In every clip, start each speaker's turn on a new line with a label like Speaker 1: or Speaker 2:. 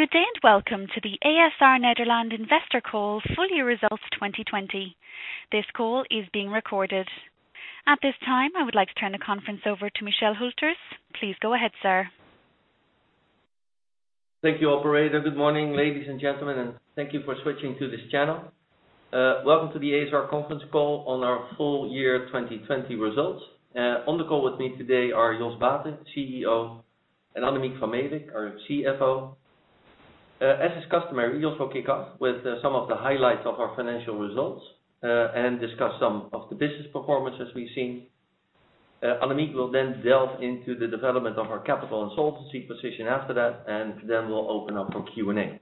Speaker 1: Good day, and welcome to the ASR Nederland investor call, full year results 2020. This call is being recorded. At this time, I would like to turn the conference over to Michel Hülters. Please go ahead, sir.
Speaker 2: Thank you, operator. Good morning, ladies and gentlemen, and thank you for switching to this channel. Welcome to the ASR conference call on our full year 2020 results. On the call with me today are Jos Baeten, CEO, and Annemiek van Melick, our CFO. As is customary, Jos will kick off with some of the highlights of our financial results, and discuss some of the business performance as we've seen. Annemiek will delve into the development of our capital and solvency position after that, then we'll open up for Q&A.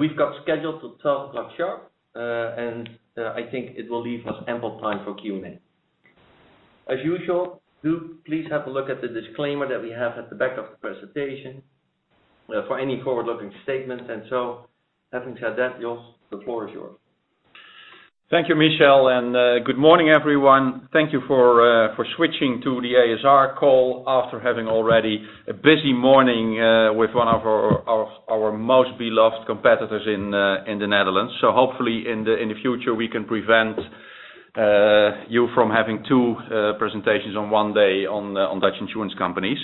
Speaker 2: We've got scheduled till 12:00 P.M. sharp, and I think it will leave us ample time for Q&A. As usual, do please have a look at the disclaimer that we have at the back of the presentation for any forward-looking statements. Having said that, Jos, the floor is yours.
Speaker 3: Thank you, Michel. Good morning, everyone. Thank you for switching to the ASR call after having already a busy morning with one of our most beloved competitors in the Netherlands. Hopefully in the future we can prevent you from having two presentations on one day on Dutch insurance companies.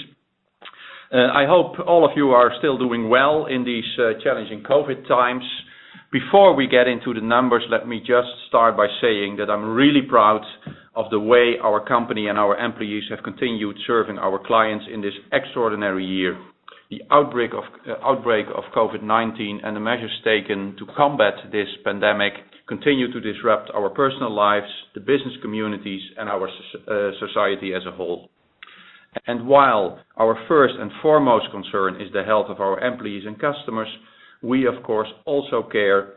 Speaker 3: I hope all of you are still doing well in these challenging COVID-19 times. Before we get into the numbers, let me just start by saying that I'm really proud of the way our company and our employees have continued serving our clients in this extraordinary year. The outbreak of COVID-19 and the measures taken to combat this pandemic continue to disrupt our personal lives, the business communities, and our society as a whole. While our first and foremost concern is the health of our employees and customers, we of course also care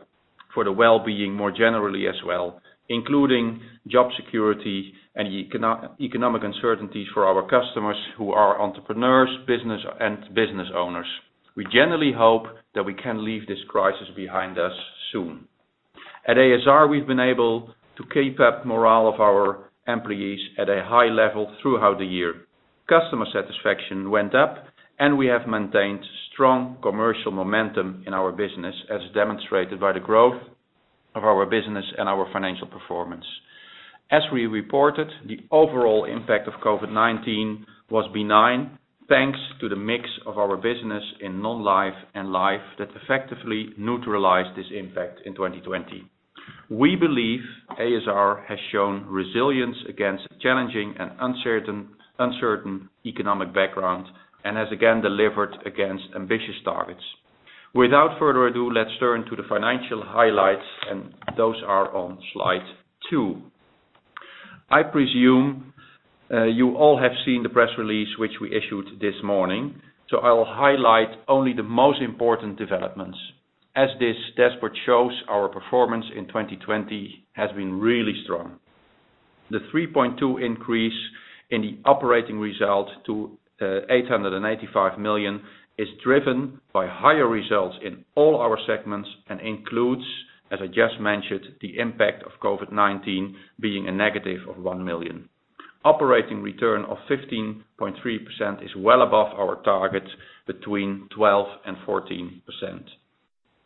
Speaker 3: for the wellbeing more generally as well, including job security and economic uncertainties for our customers who are entrepreneurs and business owners. We generally hope that we can leave this crisis behind us soon. At ASR, we've been able to keep up morale of our employees at a high level throughout the year. Customer satisfaction went up, and we have maintained strong commercial momentum in our business, as demonstrated by the growth of our business and our financial performance. As we reported, the overall impact of COVID-19 was benign thanks to the mix of our business in non-life and life that effectively neutralized this impact in 2020. We believe ASR has shown resilience against challenging and uncertain economic backgrounds, and has again delivered against ambitious targets. Without further ado, let's turn to the financial highlights, and those are on slide two. I presume you all have seen the press release, which we issued this morning, so I will highlight only the most important developments. As this dashboard shows, our performance in 2020 has been really strong. The 3.2 increase in the operating result to 885 million is driven by higher results in all our segments and includes, as I just mentioned, the impact of COVID-19 being a negative of 1 million. Operating return of 15.3% is well above our target between 12% and 14%.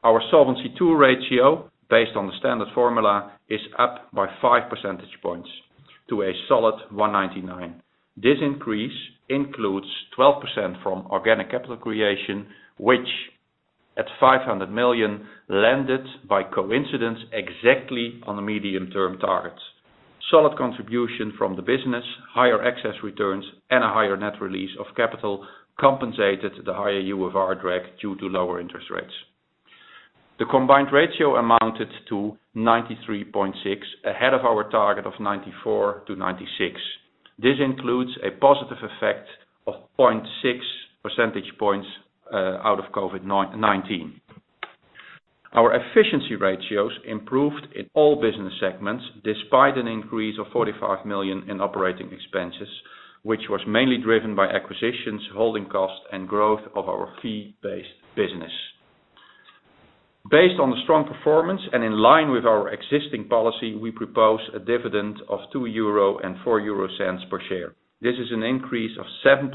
Speaker 3: Our Solvency II ratio, based on the standard formula, is up by five percentage points to a solid 199. This increase includes 12% from organic capital creation, which at 500 million landed by coincidence exactly on the medium-term targets. Solid contribution from the business, higher excess returns, and a higher net release of capital compensated the higher UFR drag due to lower interest rates. The Combined Ratio amounted to 93.6, ahead of our target of 94%-96%. This includes a positive effect of 0.6 percentage points out of COVID-19. Our efficiency ratios improved in all business segments despite an increase of 45 million in operating expenses, which was mainly driven by acquisitions, holding costs, and growth of our fee-based business. Based on the strong performance and in line with our existing policy, we propose a dividend of 2 euro and 0.04 per share. This is an increase of 7%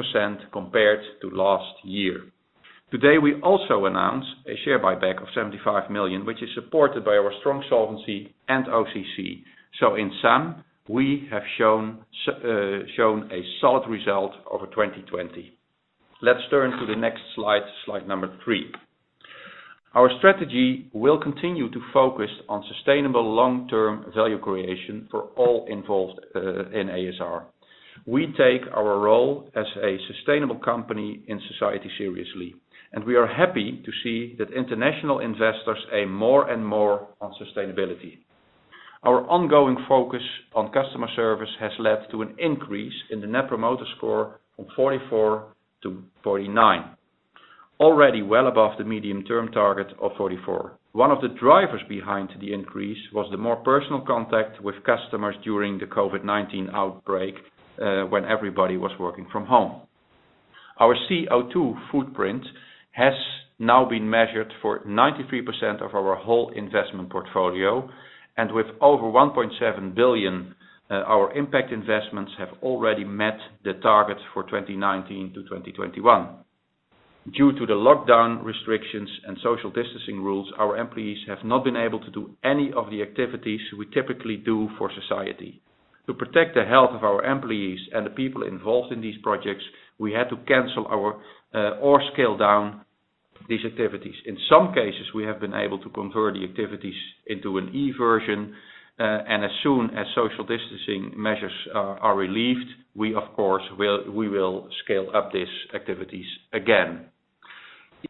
Speaker 3: compared to last year. Today, we also announced a share buyback of 75 million, which is supported by our strong solvency and OCC. In sum, we have shown a solid result over 2020. Let's turn to the next slide number three. Our strategy will continue to focus on sustainable long-term value creation for all involved in ASR. We take our role as a sustainable company in society seriously, and we are happy to see that international investors aim more and more on sustainability. Our ongoing focus on customer service has led to an increase in the Net Promoter Score from 44 to 49. Already well above the medium-term target of 44. One of the drivers behind the increase was the more personal contact with customers during the COVID-19 outbreak, when everybody was working from home. Our CO2 footprint has now been measured for 93% of our whole investment portfolio. With over 1.7 billion, our impact investments have already met the target for 2019-2021. Due to the lockdown restrictions and social distancing rules, our employees have not been able to do any of the activities we typically do for society. To protect the health of our employees and the people involved in these projects, we had to cancel or scale down these activities. In some cases, we have been able to convert the activities into an e-version, and as soon as social distancing measures are relieved, we of course will scale up these activities again.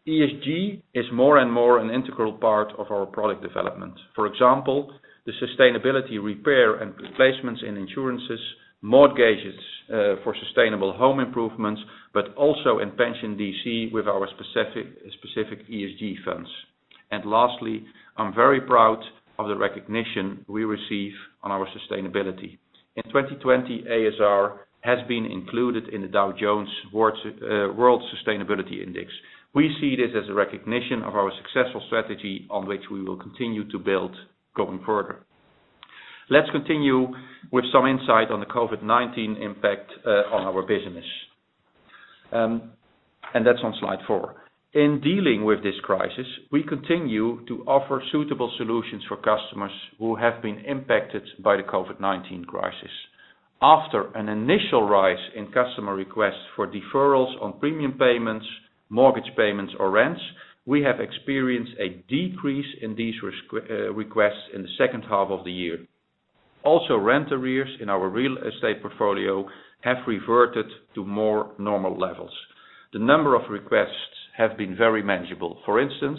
Speaker 3: ESG is more and more an integral part of our product development. For example, the sustainability repair and replacements in insurances, mortgages for sustainable home improvements, but also in pension DC with our specific ESG funds. Lastly, I'm very proud of the recognition we receive on our sustainability. In 2020, ASR has been included in the Dow Jones Sustainability World Index. We see this as a recognition of our successful strategy on which we will continue to build going further. Let's continue with some insight on the COVID-19 impact on our business. And that's on slide four. In dealing with this crisis, we continue to offer suitable solutions for customers who have been impacted by the COVID-19 crisis. After an initial rise in customer requests for deferrals on premium payments, mortgage payments, or rents, we have experienced a decrease in these requests in the second half of the year. Also, rent arrears in our real estate portfolio have reverted to more normal levels. The number of requests have been very manageable. For instance,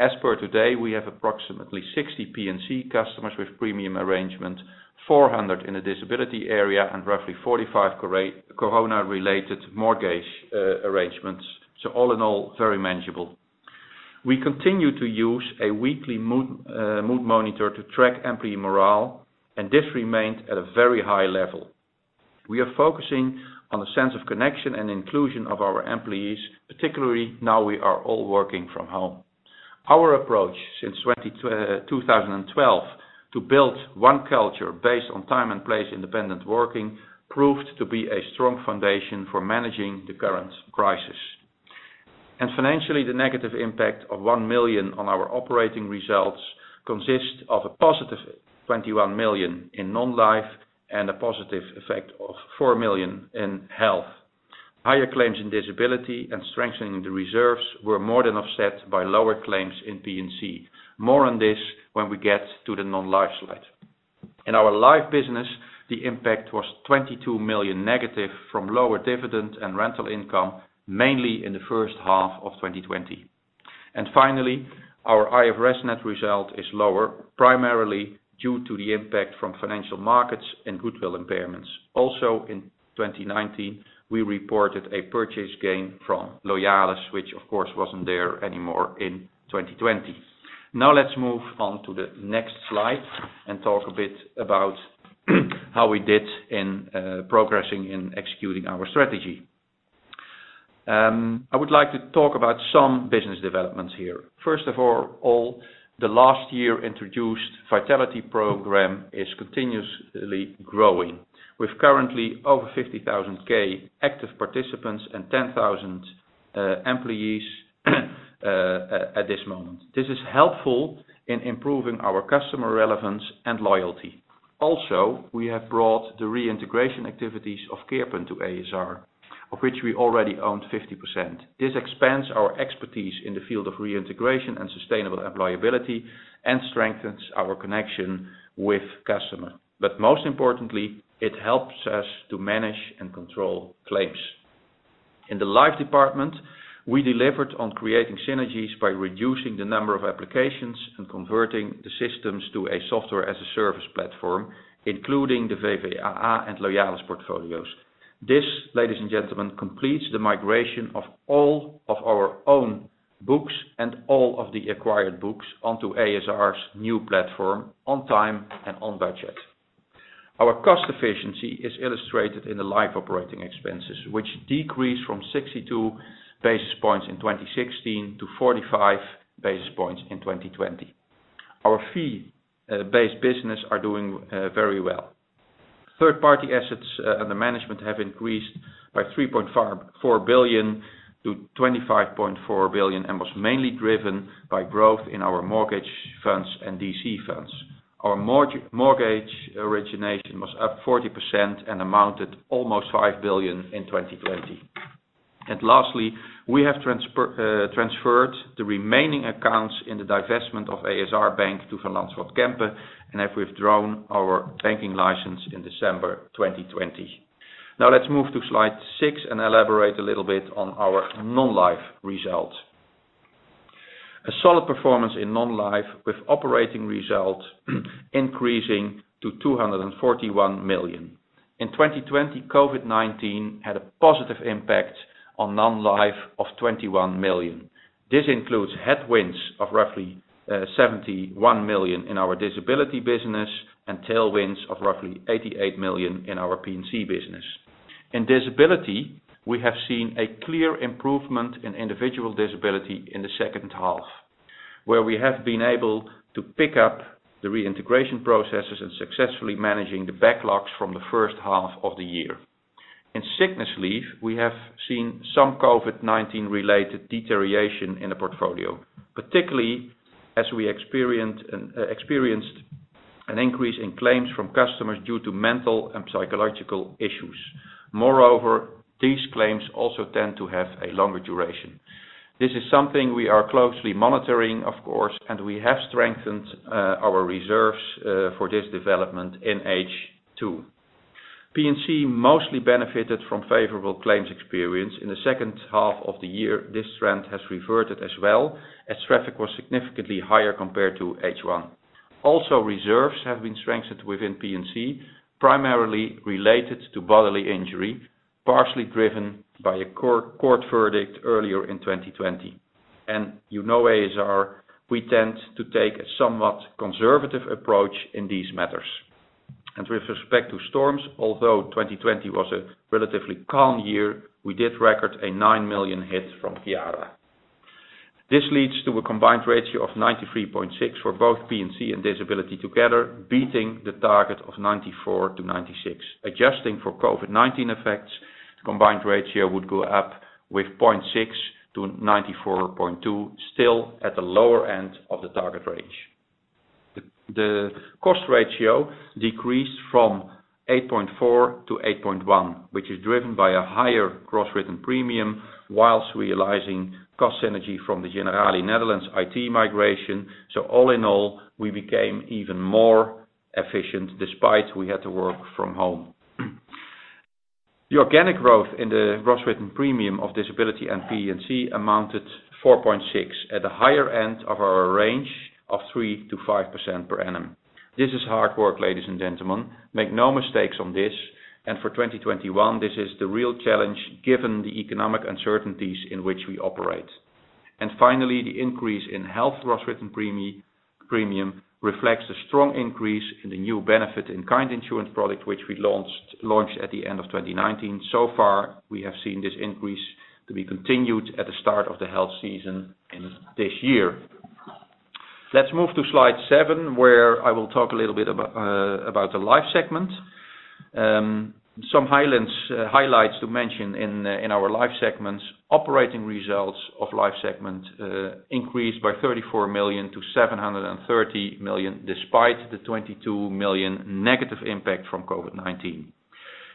Speaker 3: as per today, we have approximately 60 P&C customers with premium arrangement, 400 in the disability area, and roughly 45 corona-related mortgage arrangements. All in all, very manageable. We continue to use a weekly mood monitor to track employee morale. This remained at a very high level. We are focusing on the sense of connection and inclusion of our employees, particularly now we are all working from home. Our approach since 2012 to build one culture based on time and place-independent working proved to be a strong foundation for managing the current crisis. Financially, the negative impact of 1 million on our operating results consists of a +21 million in non-life and a positive effect of 4 million in health. Higher claims in disability and strengthening the reserves were more than offset by lower claims in P&C. More on this when we get to the non-life slide. In our life business, the impact was 22 million negative from lower dividend and rental income, mainly in the first half of 2020. Finally, our IFRS net result is lower, primarily due to the impact from financial markets and goodwill impairments. Also in 2019, we reported a purchase gain from Loyalis, which of course wasn't there anymore in 2020. Now let's move on to the next slide and talk a bit about how we did in progressing in executing our strategy. I would like to talk about some business developments here. First of all, the last year introduced Vitality program is continuously growing with currently over 50,000 K active participants and 10,000 employees at this moment. This is helpful in improving our customer relevance and loyalty. Also, we have brought the reintegration activities of Keerpunt to ASR, of which we already owned 50%. This expands our expertise in the field of reintegration and sustainable employability and strengthens our connection with customer. Most importantly, it helps us to manage and control claims. In the life department, we delivered on creating synergies by reducing the number of applications and converting the systems to a Software-as-a-Service platform, including the VvAA and Loyalis portfolios. This, ladies and gentlemen, completes the migration of all of our own books and all of the acquired books onto ASR's new platform on time and on budget. Our cost efficiency is illustrated in the life operating expenses, which decreased from 62 basis points in 2016 to 45 basis points in 2020. Our fee-based business are doing very well. Third-party assets under management have increased by 3.4 billion to 25.4 billion and was mainly driven by growth in our mortgage funds and DC funds. Our mortgage origination was up 40% and amounted almost 5 billion in 2020. Lastly, we have transferred the remaining accounts in the divestment of ASR Bank to Van Lanschot Kempen and have withdrawn our banking license in December 2020. Let's move to slide six and elaborate a little bit on our non-life results. A solid performance in non-life with operating results increasing to 241 million. In 2020, COVID-19 had a positive impact on non-life of 21 million. This includes headwinds of roughly 71 million in our disability business and tailwinds of roughly 88 million in our P&C business. In disability, we have seen a clear improvement in individual disability in the second half, where we have been able to pick up the reintegration processes and successfully managing the backlogs from the first half of the year. In sickness leave, we have seen some COVID-19 related deterioration in the portfolio, particularly as we experienced an increase in claims from customers due to mental and psychological issues. Moreover, these claims also tend to have a longer duration. This is something we are closely monitoring, of course, and we have strengthened our reserves for this development in H2. P&C mostly benefited from favorable claims experience. In the second half of the year, this trend has reverted as well as traffic was significantly higher compared to H1. Reserves have been strengthened within P&C, primarily related to bodily injury, partially driven by a court verdict earlier in 2020. You know ASR, we tend to take a somewhat conservative approach in these matters. With respect to storms, although 2020 was a relatively calm year, we did record a 9 million hit from Ciara. This leads to a combined ratio of 93.6% for both P&C and disability together, beating the target of 94%-96%. Adjusting for COVID-19 effects, the combined ratio would go up with 0.6% to 94.2%, still at the lower end of the target range. The cost ratio decreased from 8.4%-8.1%, which is driven by a higher gross written premium whilst realizing cost synergy from the Generali Nederland IT migration. All in all, we became even more efficient despite we had to work from home. The organic growth in the gross written premium of disability and P&C amounted 4.6% at the higher end of our range of 3%-5% per annum. This is hard work, ladies and gentlemen. Make no mistakes on this. For 2021, this is the real challenge, given the economic uncertainties in which we operate. Finally, the increase in health gross written premium reflects the strong increase in the new benefit in-kind insurance product, which we launched at the end of 2019. Far, we have seen this increase to be continued at the start of the health season in this year. Let's move to slide seven, where I will talk a little bit about the life segment. Some highlights to mention in our life segments. Operating results of life segment increased by 34 million to 730 million, despite the 22 million negative impact from COVID-19.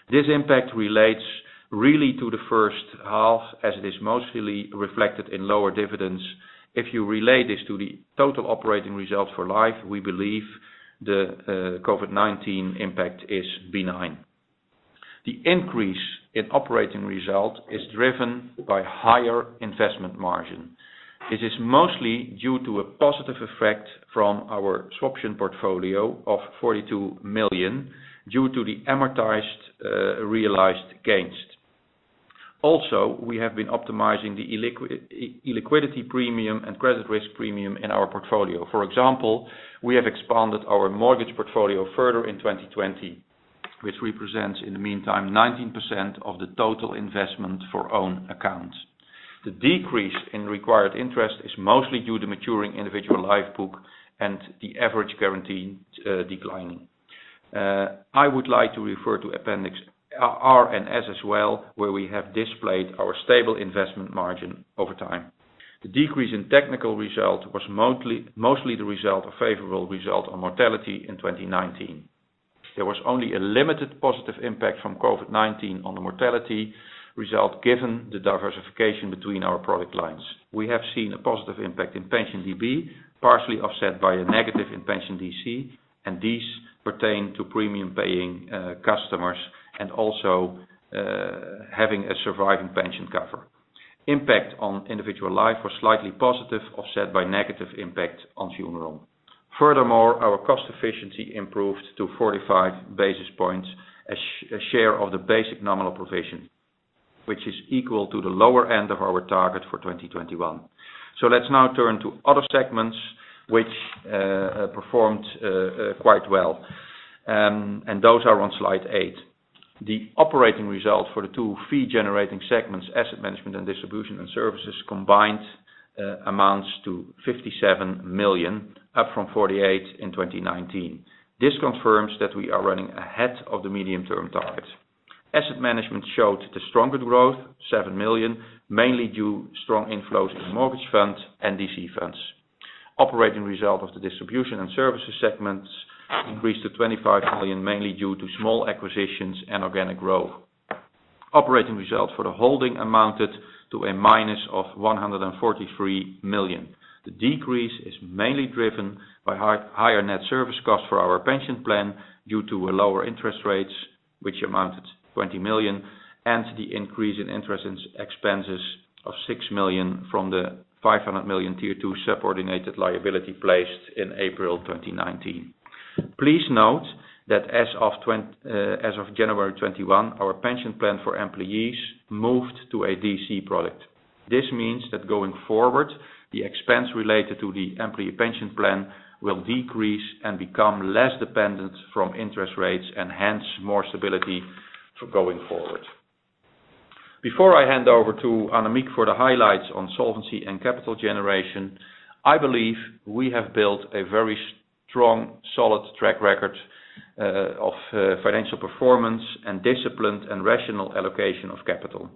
Speaker 3: This impact relates really to the first half as it is mostly reflected in lower dividends. If you relate this to the total operating results for life, we believe the COVID-19 impact is benign. The increase in operating result is driven by higher investment margin. This is mostly due to a positive effect from our swaption portfolio of 42 million due to the amortized realized gains. Also, we have been optimizing the illiquidity premium and credit risk premium in our portfolio. For example, we have expanded our mortgage portfolio further in 2020, which represents in the meantime 19% of the total investment for own accounts. The decrease in required interest is mostly due to maturing individual life book and the average guarantee declining. I would like to refer to appendix R and S as well, where we have displayed our stable investment margin over time. The decrease in technical result was mostly the result of favorable result on mortality in 2019. There was only a limited positive impact from COVID-19 on the mortality result given the diversification between our product lines. We have seen a positive impact in pension DB, partially offset by a negative in pension DC, and these pertain to premium paying customers and also having a surviving pension cover. Impact on individual life was slightly positive, offset by negative impact on funeral. Our cost efficiency improved to 45 basis points, a share of the basic nominal provision, which is equal to the lower end of our target for 2021. Let's now turn to other segments which performed quite well. Those are on slide eight. The operating result for the two fee-generating segments, asset management and distribution and services combined amounts to 57 million, up from 48 in 2019. This confirms that we are running ahead of the medium-term target. Asset management showed the stronger growth, 7 million, mainly due strong inflows in mortgage funds and DC funds. Operating result of the distribution and services segments increased to 25 million, mainly due to small acquisitions and organic growth. Operating results for the holding amounted to a minus of 143 million. The decrease is mainly driven by higher net service cost for our pension plan due to lower interest rates, which amounted to 20 million, and the increase in interest expenses of 6 million from the 500 million Tier two subordinated liability placed in April 2019. Please note that as of January 21, our pension plan for employees moved to a DC product. This means that going forward, the expense related to the employee pension plan will decrease and become less dependent from interest rates and hence more stability for going forward. Before I hand over to Annemiek for the highlights on solvency and capital generation, I believe we have built a very strong, solid track record of financial performance and disciplined and rational allocation of capital.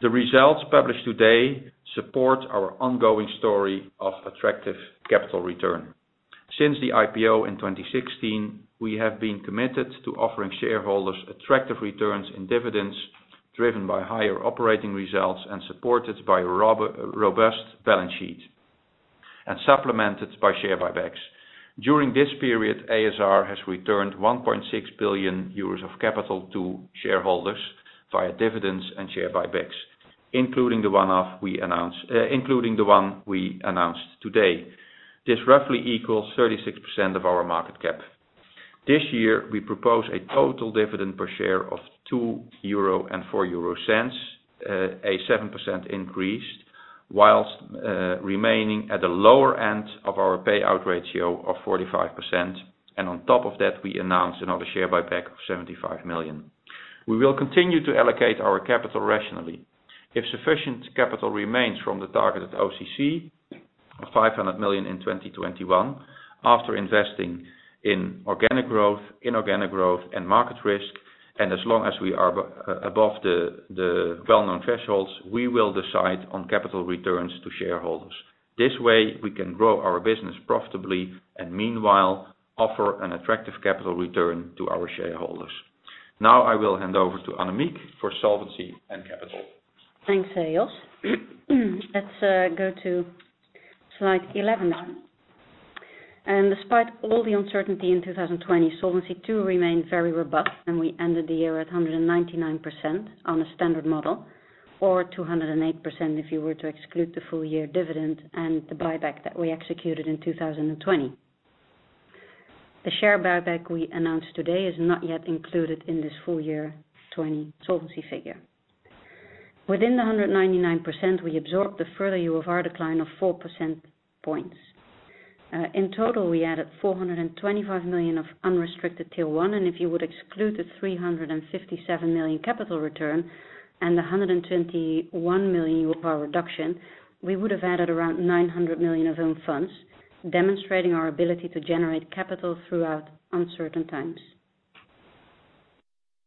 Speaker 3: The results published today support our ongoing story of attractive capital return. Since the IPO in 2016, we have been committed to offering shareholders attractive returns in dividends, driven by higher operating results and supported by a robust balance sheet, and supplemented by share buybacks. During this period, ASR has returned 1 billion euros of capital to shareholders via dividends and share buybacks, including the one we announced today. This roughly equals 36% of our market cap. This year, we propose a total dividend per share of 2.04 euro, a 7% increase, while remaining at the lower end of our payout ratio of 45%. On top of that, we announced another share buyback of 75 million. We will continue to allocate our capital rationally. If sufficient capital remains from the targeted OCC of 500 million in 2021, after investing in organic growth, inorganic growth, and market risk, and as long as we are above the well-known thresholds, we will decide on capital returns to shareholders. This way, we can grow our business profitably and meanwhile offer an attractive capital return to our shareholders. I will hand over to Annemiek for solvency and capital.
Speaker 4: Thanks, Jos. Let's go to slide 11. Despite all the uncertainty in 2020, Solvency II remained very robust, and we ended the year at 199% on a standard model, or 208% if you were to exclude the full-year dividend and the buyback that we executed in 2020. The share buyback we announced today is not yet included in this full-year 2020 Solvency figure. Within the 199%, we absorbed a further UFR decline of 4%. In total, we added 425 million of unrestricted Tier one and if you would exclude the 357 million capital return and 121 million UFR reduction, we would have added around 900 million of own funds, demonstrating our ability to generate capital throughout uncertain times.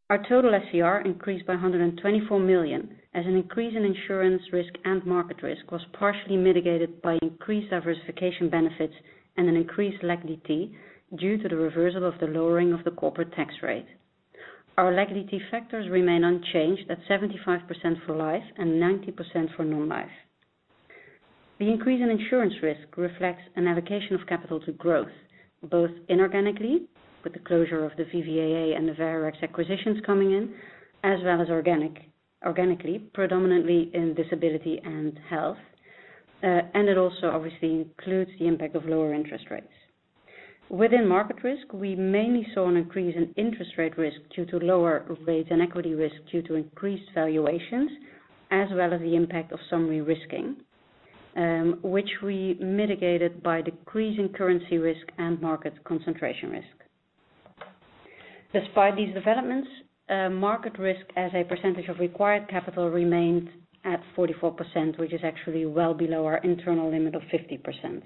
Speaker 4: Our total SCR increased by 124 million, as an increase in insurance risk and market risk was partially mitigated by increased diversification benefits and an increased LAC DT due to the reversal of the lowering of the corporate tax rate. Our LAC DT factors remain unchanged at 75% for life and 90% for non-life. The increase in insurance risk reflects an allocation of capital to growth, both inorganically with the closure of the VvAA and the Veherex acquisitions coming in, as well as organically, predominantly in disability and health. It also obviously includes the impact of lower interest rates. Within market risk, we mainly saw an increase in interest rate risk due to lower rates and equity risk due to increased valuations, as well as the impact of some re-risking, which we mitigated by decreasing currency risk and market concentration risk. Despite these developments, market risk as a percentage of required capital remained at 44%, which is actually well below our internal limit of 50%.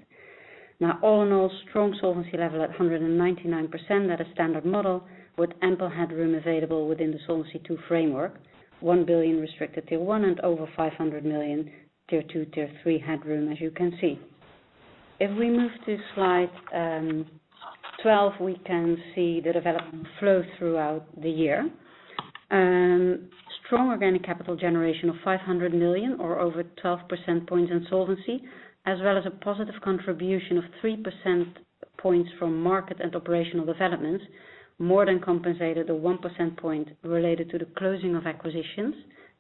Speaker 4: Now, all in all, strong solvency level at 199% at a standard model with ample headroom available within the Solvency II framework, 1 billion restricted Tier one and over 500 million Tier two, Tier three headroom, as you can see. If we move to slide 12, we can see the development flow throughout the year. Strong organic capital generation of 500 million or over 12 percentage points in solvency, as well as a positive contribution of 3 percentage points from market and operational developments more than compensated the 1 percentage point related to the closing of acquisitions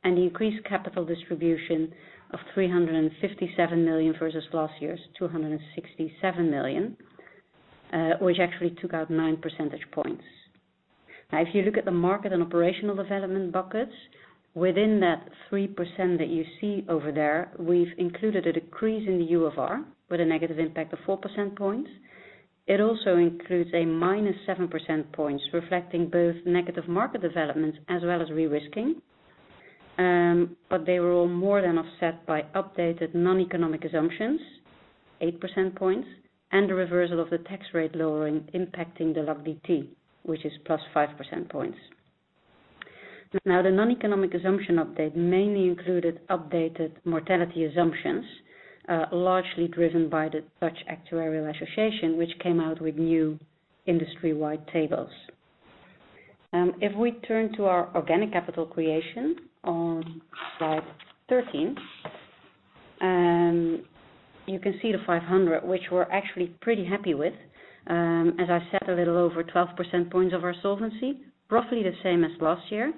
Speaker 4: and the increased capital distribution of 357 million versus last year's 267 million, which actually took out 9 percentage points. If you look at the market and operational development buckets, within that 3% that you see over there, we've included a decrease in the UFR with a negative impact of 4 percentage points. It also includes a -7 percentage points, reflecting both negative market developments as well as re-risking. They were all more than offset by updated noneconomic assumptions, 8 percentage points, and the reversal of the tax rate lowering impacting the LAC DT, which is +5 percentage points. The noneconomic assumption update mainly included updated mortality assumptions, largely driven by the Dutch Actuarial Association, which came out with new industry-wide tables. If we turn to our organic capital creation on slide 13, you can see the 500, which we're actually pretty happy with. As I said, a little over 12 percentage points of our solvency, roughly the same as last year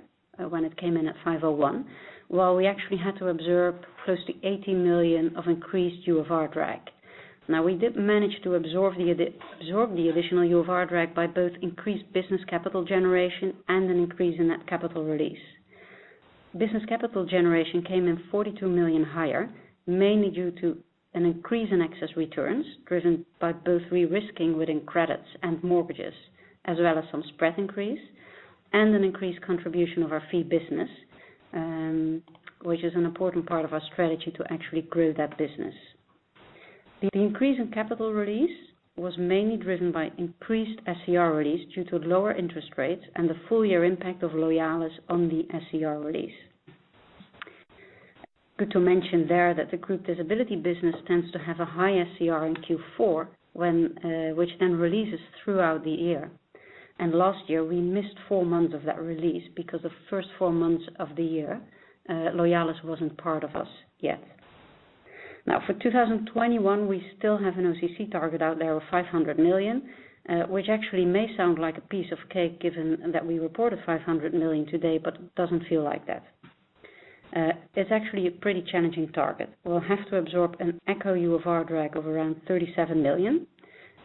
Speaker 4: when it came in at 501, while we actually had to absorb close to 80 million of increased UFR drag. Now we did manage to absorb the additional UFR drag by both increased business capital generation and an increase in that capital release. Business capital generation came in 42 million higher, mainly due to an increase in excess returns, driven by both re-risking within credits and mortgages, as well as some spread increase and an increased contribution of our fee business, which is an important part of our strategy to actually grow that business. The increase in capital release was mainly driven by increased SCR release due to lower interest rates and the full year impact of Loyalis on the SCR release. Good to mention there that the group disability business tends to have a high SCR in Q4, which then releases throughout the year. Last year we missed 4 months of that release because the first 4 months of the year, Loyalis wasn't part of us yet. For 2021, we still have an OCC target out there of 500 million, which actually may sound like a piece of cake given that we reported 500 million today, but it doesn't feel like that. It's actually a pretty challenging target. We'll have to absorb an echo UoR drag of around 37 million.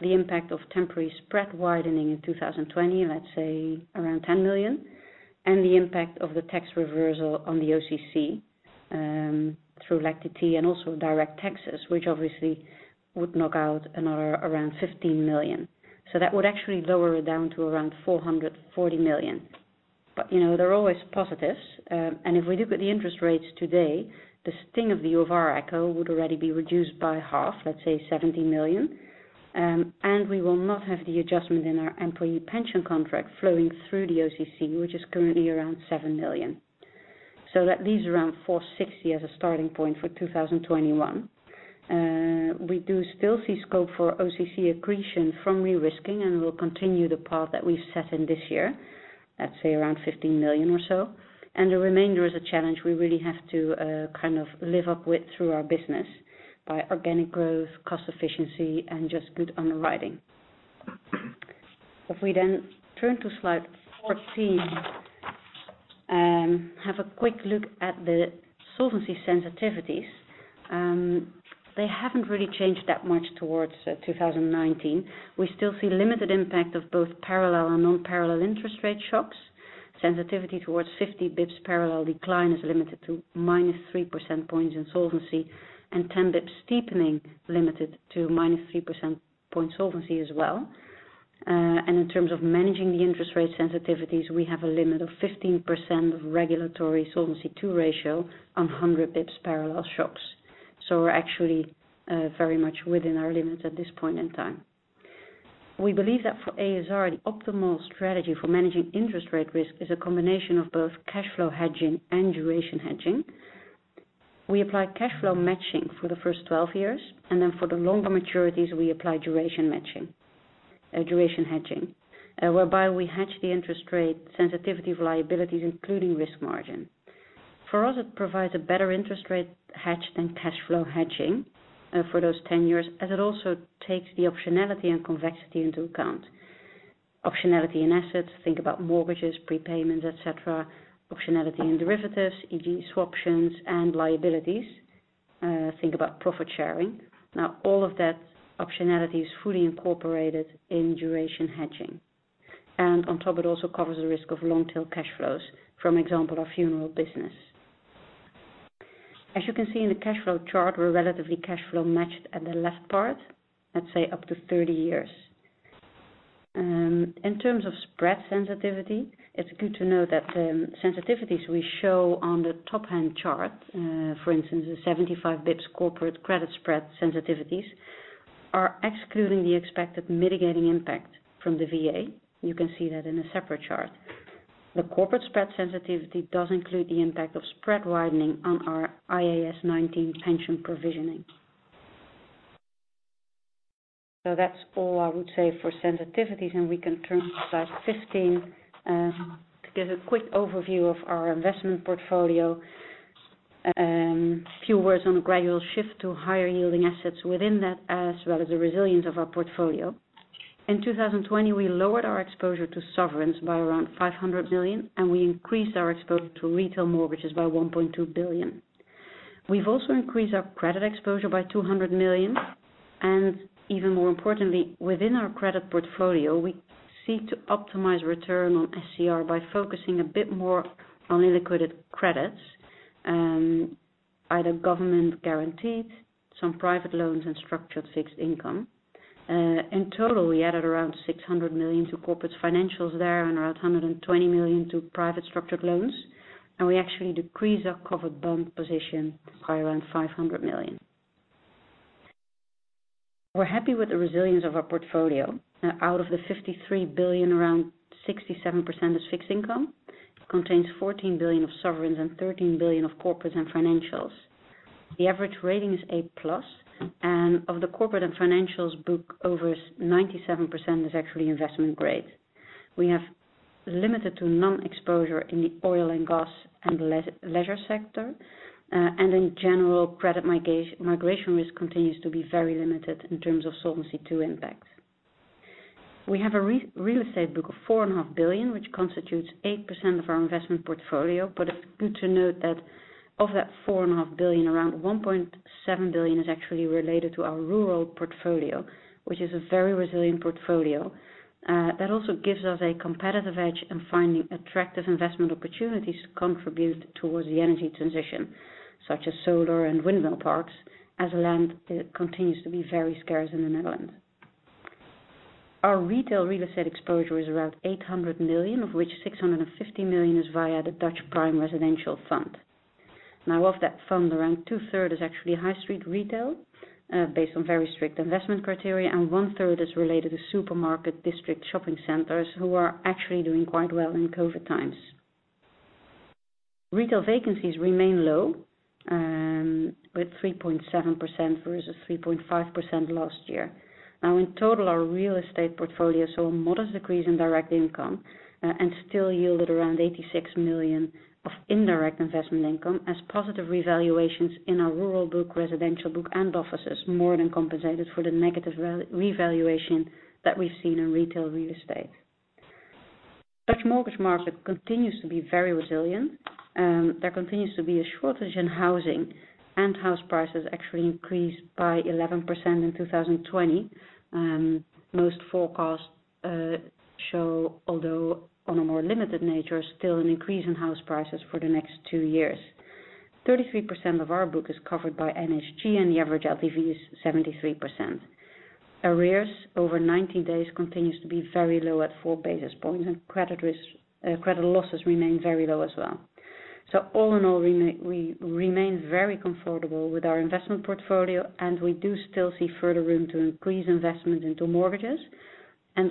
Speaker 4: The impact of temporary spread widening in 2020, let's say around 10 million, and the impact of the tax reversal on the OCC, through LAC DT and also direct taxes, which obviously would knock out another around 15 million. That would actually lower it down to around 440 million. There are always positives, and if we look at the interest rates today, the sting of the UFR would already be reduced by half, let's say 70 million. We will not have the adjustment in our employee pension contract flowing through the OCC, which is currently around 7 million. That leaves around 460 as a starting point for 2021. We do still see scope for OCC accretion from re-risking, and we will continue the path that we've set in this year, let's say around 15 million or so, and the remainder is a challenge we really have to live up with through our business by organic growth, cost efficiency, and just good underwriting. If we then turn to slide 14, have a quick look at the solvency sensitivities. They haven't really changed that much towards 2019. We still see limited impact of both parallel and non-parallel interest rate shocks. Sensitivity towards 50 basis points parallel decline is limited to minus 3% points in solvency and 10 basis points steepening limited to -3% point solvency as well. In terms of managing the interest rate sensitivities, we have a limit of 15% of regulatory Solvency II ratio on 100 basis points parallel shocks. We're actually very much within our limits at this point in time. We believe that for ASR, the optimal strategy for managing interest rate risk is a combination of both cash flow hedging and duration hedging. We apply cash flow matching for the first 12 years, and then for the longer maturities, we apply duration hedging, whereby we hedge the interest rate sensitivity of liabilities, including risk margin. For us, it provides a better interest rate hedge than cash flow hedging for those 10 years, as it also takes the optionality and convexity into account. Optionality in assets, think about mortgages, prepayments, et cetera. Optionality in derivatives, e.g. swaptions and liabilities, think about profit sharing. All of that optionality is fully incorporated in duration hedging. On top it also covers the risk of long tail cash flows from example, our funeral business. As you can see in the cash flow chart, we're relatively cash flow matched at the left part, let's say up to 30 years. In terms of spread sensitivity, it's good to know that sensitivities we show on the top-hand chart, for instance, the 75 basis points corporate credit spread sensitivities, are excluding the expected mitigating impact from the VA. You can see that in a separate chart. The corporate spread sensitivity does include the impact of spread widening on our IAS 19 pension provisioning. That's all I would say for sensitivities, and we can turn to slide 15, to give a quick overview of our investment portfolio. A few words on the gradual shift to higher yielding assets within that, as well as the resilience of our portfolio. In 2020, we lowered our exposure to sovereigns by around 500 million, and we increased our exposure to retail mortgages by 1.2 billion. We've also increased our credit exposure by 200 million, and even more importantly, within our credit portfolio, we seek to optimize return on SCR by focusing a bit more on illiquided credits, either government guaranteed, some private loans, and structured fixed income. In total, we added around 600 million to corporate financials there and around 120 million to private structured loans. We actually decreased our covered bond position by around 500 million. We're happy with the resilience of our portfolio. Out of the 53 billion, around 67% is fixed income, contains 14 billion of sovereigns and 13 billion of corporates and financials. The average rating is A+, and of the corporate and financials book, over 97% is actually investment grade. We have limited to none exposure in the oil and gas and leisure sector, and in general, credit migration risk continues to be very limited in terms of Solvency II impact. We have a real estate book of 4.5 billion, which constitutes 8% of our investment portfolio. It's good to note that of that 4.5 billion, around 1.7 billion is actually related to our rural portfolio, which is a very resilient portfolio. That also gives us a competitive edge in finding attractive investment opportunities to contribute towards the energy transition, such as solar and windmill parks, as land continues to be very scarce in the Netherlands. Our retail real estate exposure is around 800 million, of which 650 million is via the ASR Dutch Prime Retail Fund. Of that Fund, around two-thirds is actually high street retail, based on very strict investment criteria, and one-third is related to supermarket district shopping centers who are actually doing quite well in COVID times. Retail vacancies remain low, with 3.7% versus 3.5% last year. In total, our real estate portfolio saw a modest decrease in direct income and still yielded around 86 million of indirect investment income, as positive revaluations in our rural book, residential book, and offices more than compensated for the negative revaluation that we've seen in retail real estate. Dutch mortgage market continues to be very resilient. There continues to be a shortage in housing, and house prices actually increased by 11% in 2020. Most forecasts show, although on a more limited nature, still an increase in house prices for the next two years. 33% of our book is covered by NHG, and the average LTV is 73%. Arrears over 90 days continues to be very low at four basis points, and credit losses remain very low as well. All in all, we remain very comfortable with our investment portfolio, and we do still see further room to increase investment into mortgages.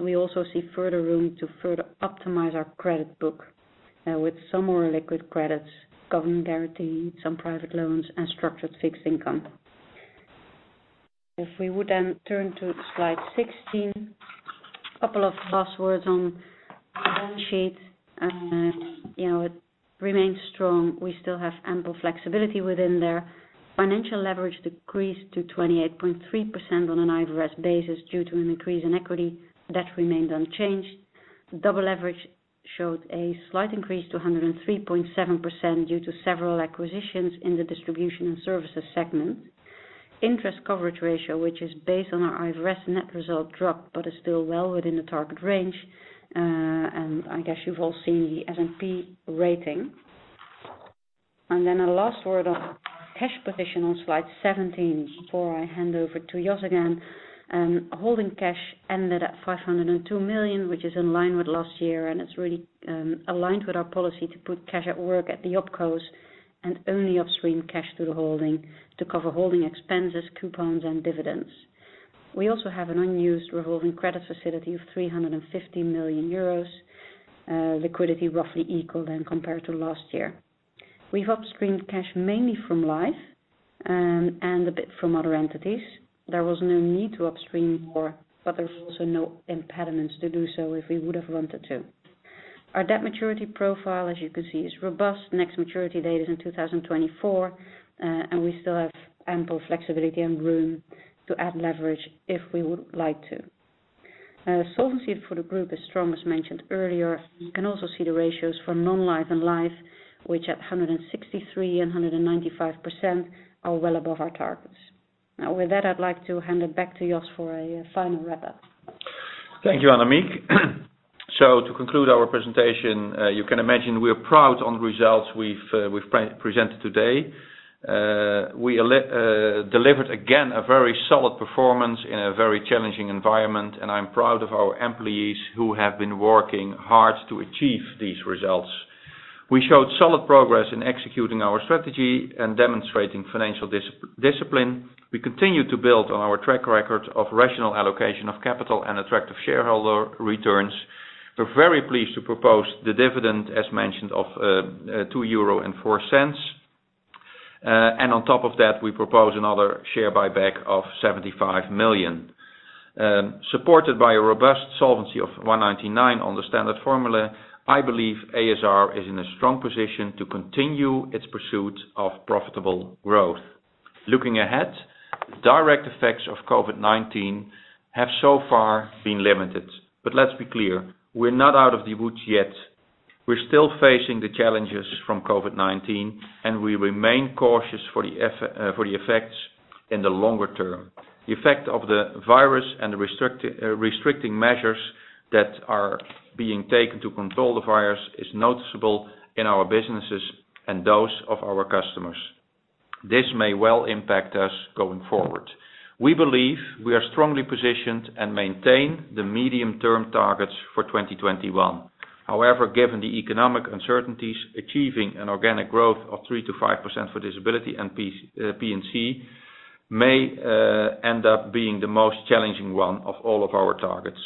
Speaker 4: We also see further room to further optimize our credit book, with some more liquid credits, government guarantees, some private loans, and structured fixed income. If we would then turn to slide 16, a couple of last words on the balance sheet. It remains strong. We still have ample flexibility within there. Financial leverage decreased to 28.3% on an IFRS basis due to an increase in equity. Debt remained unchanged. Double leverage showed a slight increase to 103.7% due to several acquisitions in the distribution and services segment. Interest coverage ratio, which is based on our IFRS net result, dropped but is still well within the target range. I guess you've all seen the S&P rating. A last word on cash position on slide 17 before I hand over to Jos again. Holding cash ended at 502 million, which is in line with last year, and it's really aligned with our policy to put cash at work at the opcos and only upstream cash to the holding to cover holding expenses, coupons, and dividends. We also have an unused revolving credit facility of 350 million euros. Liquidity roughly equal compared to last year. We've upstreamed cash mainly from Life and a bit from other entities. There was no need to upstream more, but there's also no impediments to do so if we would have wanted to. Our debt maturity profile, as you can see, is robust. Next maturity date is in 2024. We still have ample flexibility and room to add leverage if we would like to. Solvency for the group is strong, as mentioned earlier. You can also see the ratios for Non-Life and Life, which at 163% and 195% are well above our targets. With that, I'd like to hand it back to Jos for a final wrap-up.
Speaker 3: Thank you, Annemiek. To conclude our presentation, you can imagine we're proud on the results we've presented today. We delivered again a very solid performance in a very challenging environment, and I'm proud of our employees who have been working hard to achieve these results. We showed solid progress in executing our strategy and demonstrating financial discipline. We continue to build on our track record of rational allocation of capital and attractive shareholder returns. We're very pleased to propose the dividend, as mentioned, of 2.04 euro. On top of that, we propose another share buyback of 75 million. Supported by a robust solvency of 199 on the Standard Formula, I believe ASR is in a strong position to continue its pursuit of profitable growth. Looking ahead, the direct effects of COVID-19 have so far been limited. Let's be clear, we're not out of the woods yet. We're still facing the challenges from COVID-19, and we remain cautious for the effects in the longer term. The effect of the virus and the restricting measures that are being taken to control the virus is noticeable in our businesses and those of our customers. This may well impact us going forward. We believe we are strongly positioned and maintain the medium-term targets for 2021. However, given the economic uncertainties, achieving an organic growth of 3%-5% for Disability and P&C may end up being the most challenging one of all of our targets.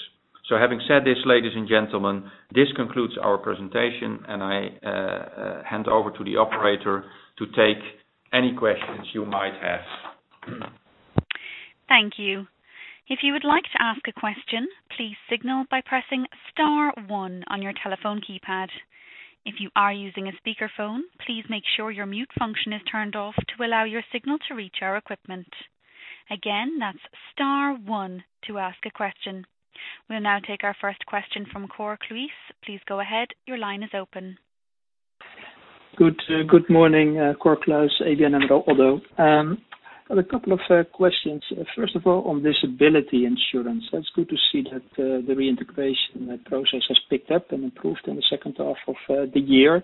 Speaker 3: Having said this, ladies and gentlemen, this concludes our presentation, and I hand over to the operator to take any questions you might have.
Speaker 1: Thank you. If you would like to ask a question, please signal by pressing star one on your telephone keypad. If you are using a speakerphone, please make sure your mute function is turned off to allow your signal to reach our equipment. Again, press star one. To ask a question. We'll now take our first question from Cor Kluis. Please go ahead. Your line is open.
Speaker 5: Good morning. Cor Kluis, ABN AMRO. Otto. I have a couple of questions. First of all, on disability insurance. It's good to see that the reintegration process has picked up and improved in the second half of the year.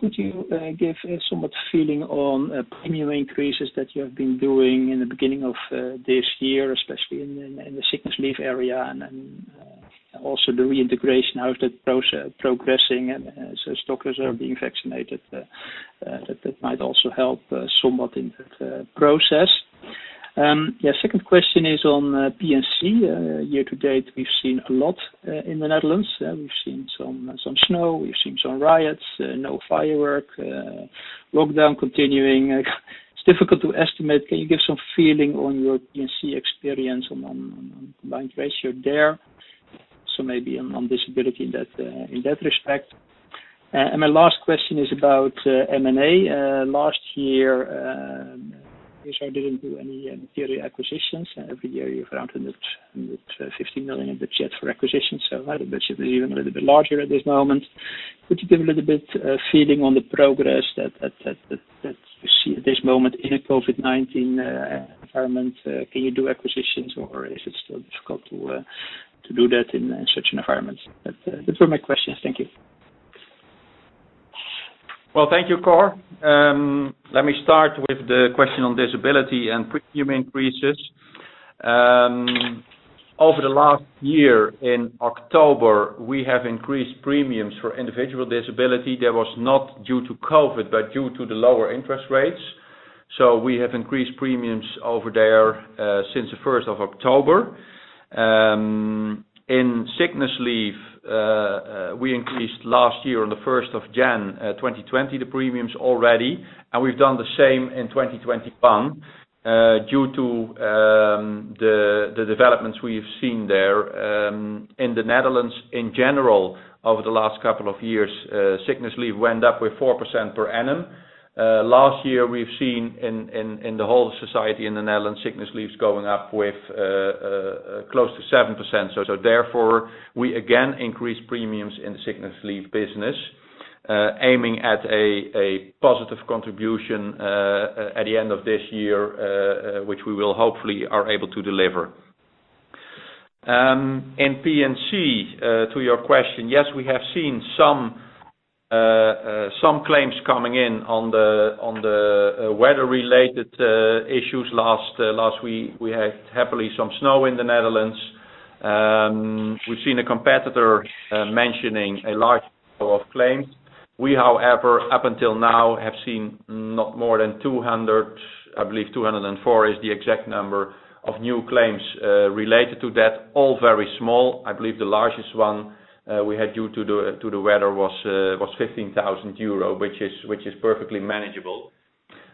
Speaker 5: Could you give somewhat feeling on premium increases that you have been doing in the beginning of this year, especially in the sickness leave area, and then also the reintegration, how is that progressing as stockholders are being vaccinated? That might also help somewhat in that process. Second question is on P&C. Year to date, we've seen a lot in the Netherlands. We've seen some snow, we've seen some riots, no firework, lockdown continuing. It's difficult to estimate. Can you give some feeling on your P&C experience on Combined Ratio there? Maybe on disability in that respect. My last question is about M&A. Last year, ASR didn't do any material acquisitions. Every year, you have around 150 million in the budget for acquisitions, so that budget is even a little bit larger at this moment. Could you give a little bit of feeling on the progress that you see at this moment in a COVID-19 environment? Can you do acquisitions or is it still difficult to do that in such an environment? Those were my questions. Thank you.
Speaker 3: Thank you, Cor. Let me start with the question on disability and premium increases. Over the last year, in October, we have increased premiums for individual disability. That was not due to COVID, but due to the lower interest rates. We have increased premiums over there since the 1st of October. In sickness leave, we increased last year on the 1st of January 2020, the premiums already, and we've done the same in 2021 due to the developments we've seen there. In the Netherlands in general over the last couple of years, sickness leave went up with 4% per annum. Last year, we've seen in the whole society in the Netherlands, sickness leave is going up with close to 7%. Therefore, we again increase premiums in the sickness leave business aiming at a positive contribution at the end of this year, which we will hopefully are able to deliver. In P&C, to your question, yes, we have seen some claims coming in on the weather-related issues last week. We had happily some snow in the Netherlands. We've seen a competitor mentioning a large number of claims. We, however, up until now, have seen not more than 200, I believe 204 is the exact number of new claims related to that. All very small. I believe the largest one we had due to the weather was 15,000 euro, which is perfectly manageable.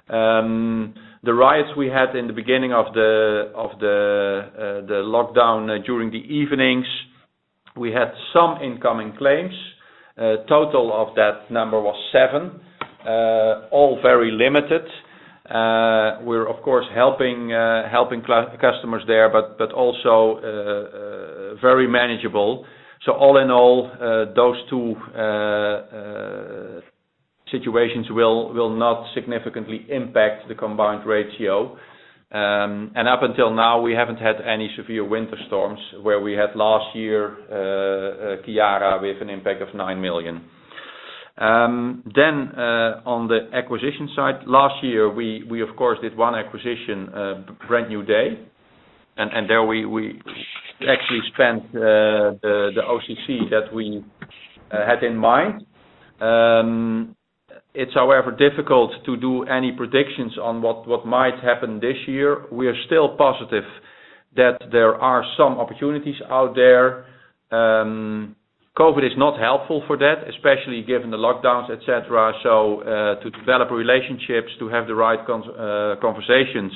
Speaker 3: The riots we had in the beginning of the lockdown during the evenings, we had some incoming claims. Total of that number was seven. All very limited. We're, of course, helping customers there, but also very manageable. All in all, those two situations will not significantly impact the Combined Ratio. Up until now, we haven't had any severe winter storms where we had last year, Ciara, with an impact of 9 million. On the acquisition side, last year, we of course did one acquisition, Brand New Day, and there we actually spent the OCC that we had in mind. It's however difficult to do any predictions on what might happen this year. COVID is not helpful for that, especially given the lockdowns, et cetera. To develop relationships, to have the right conversations,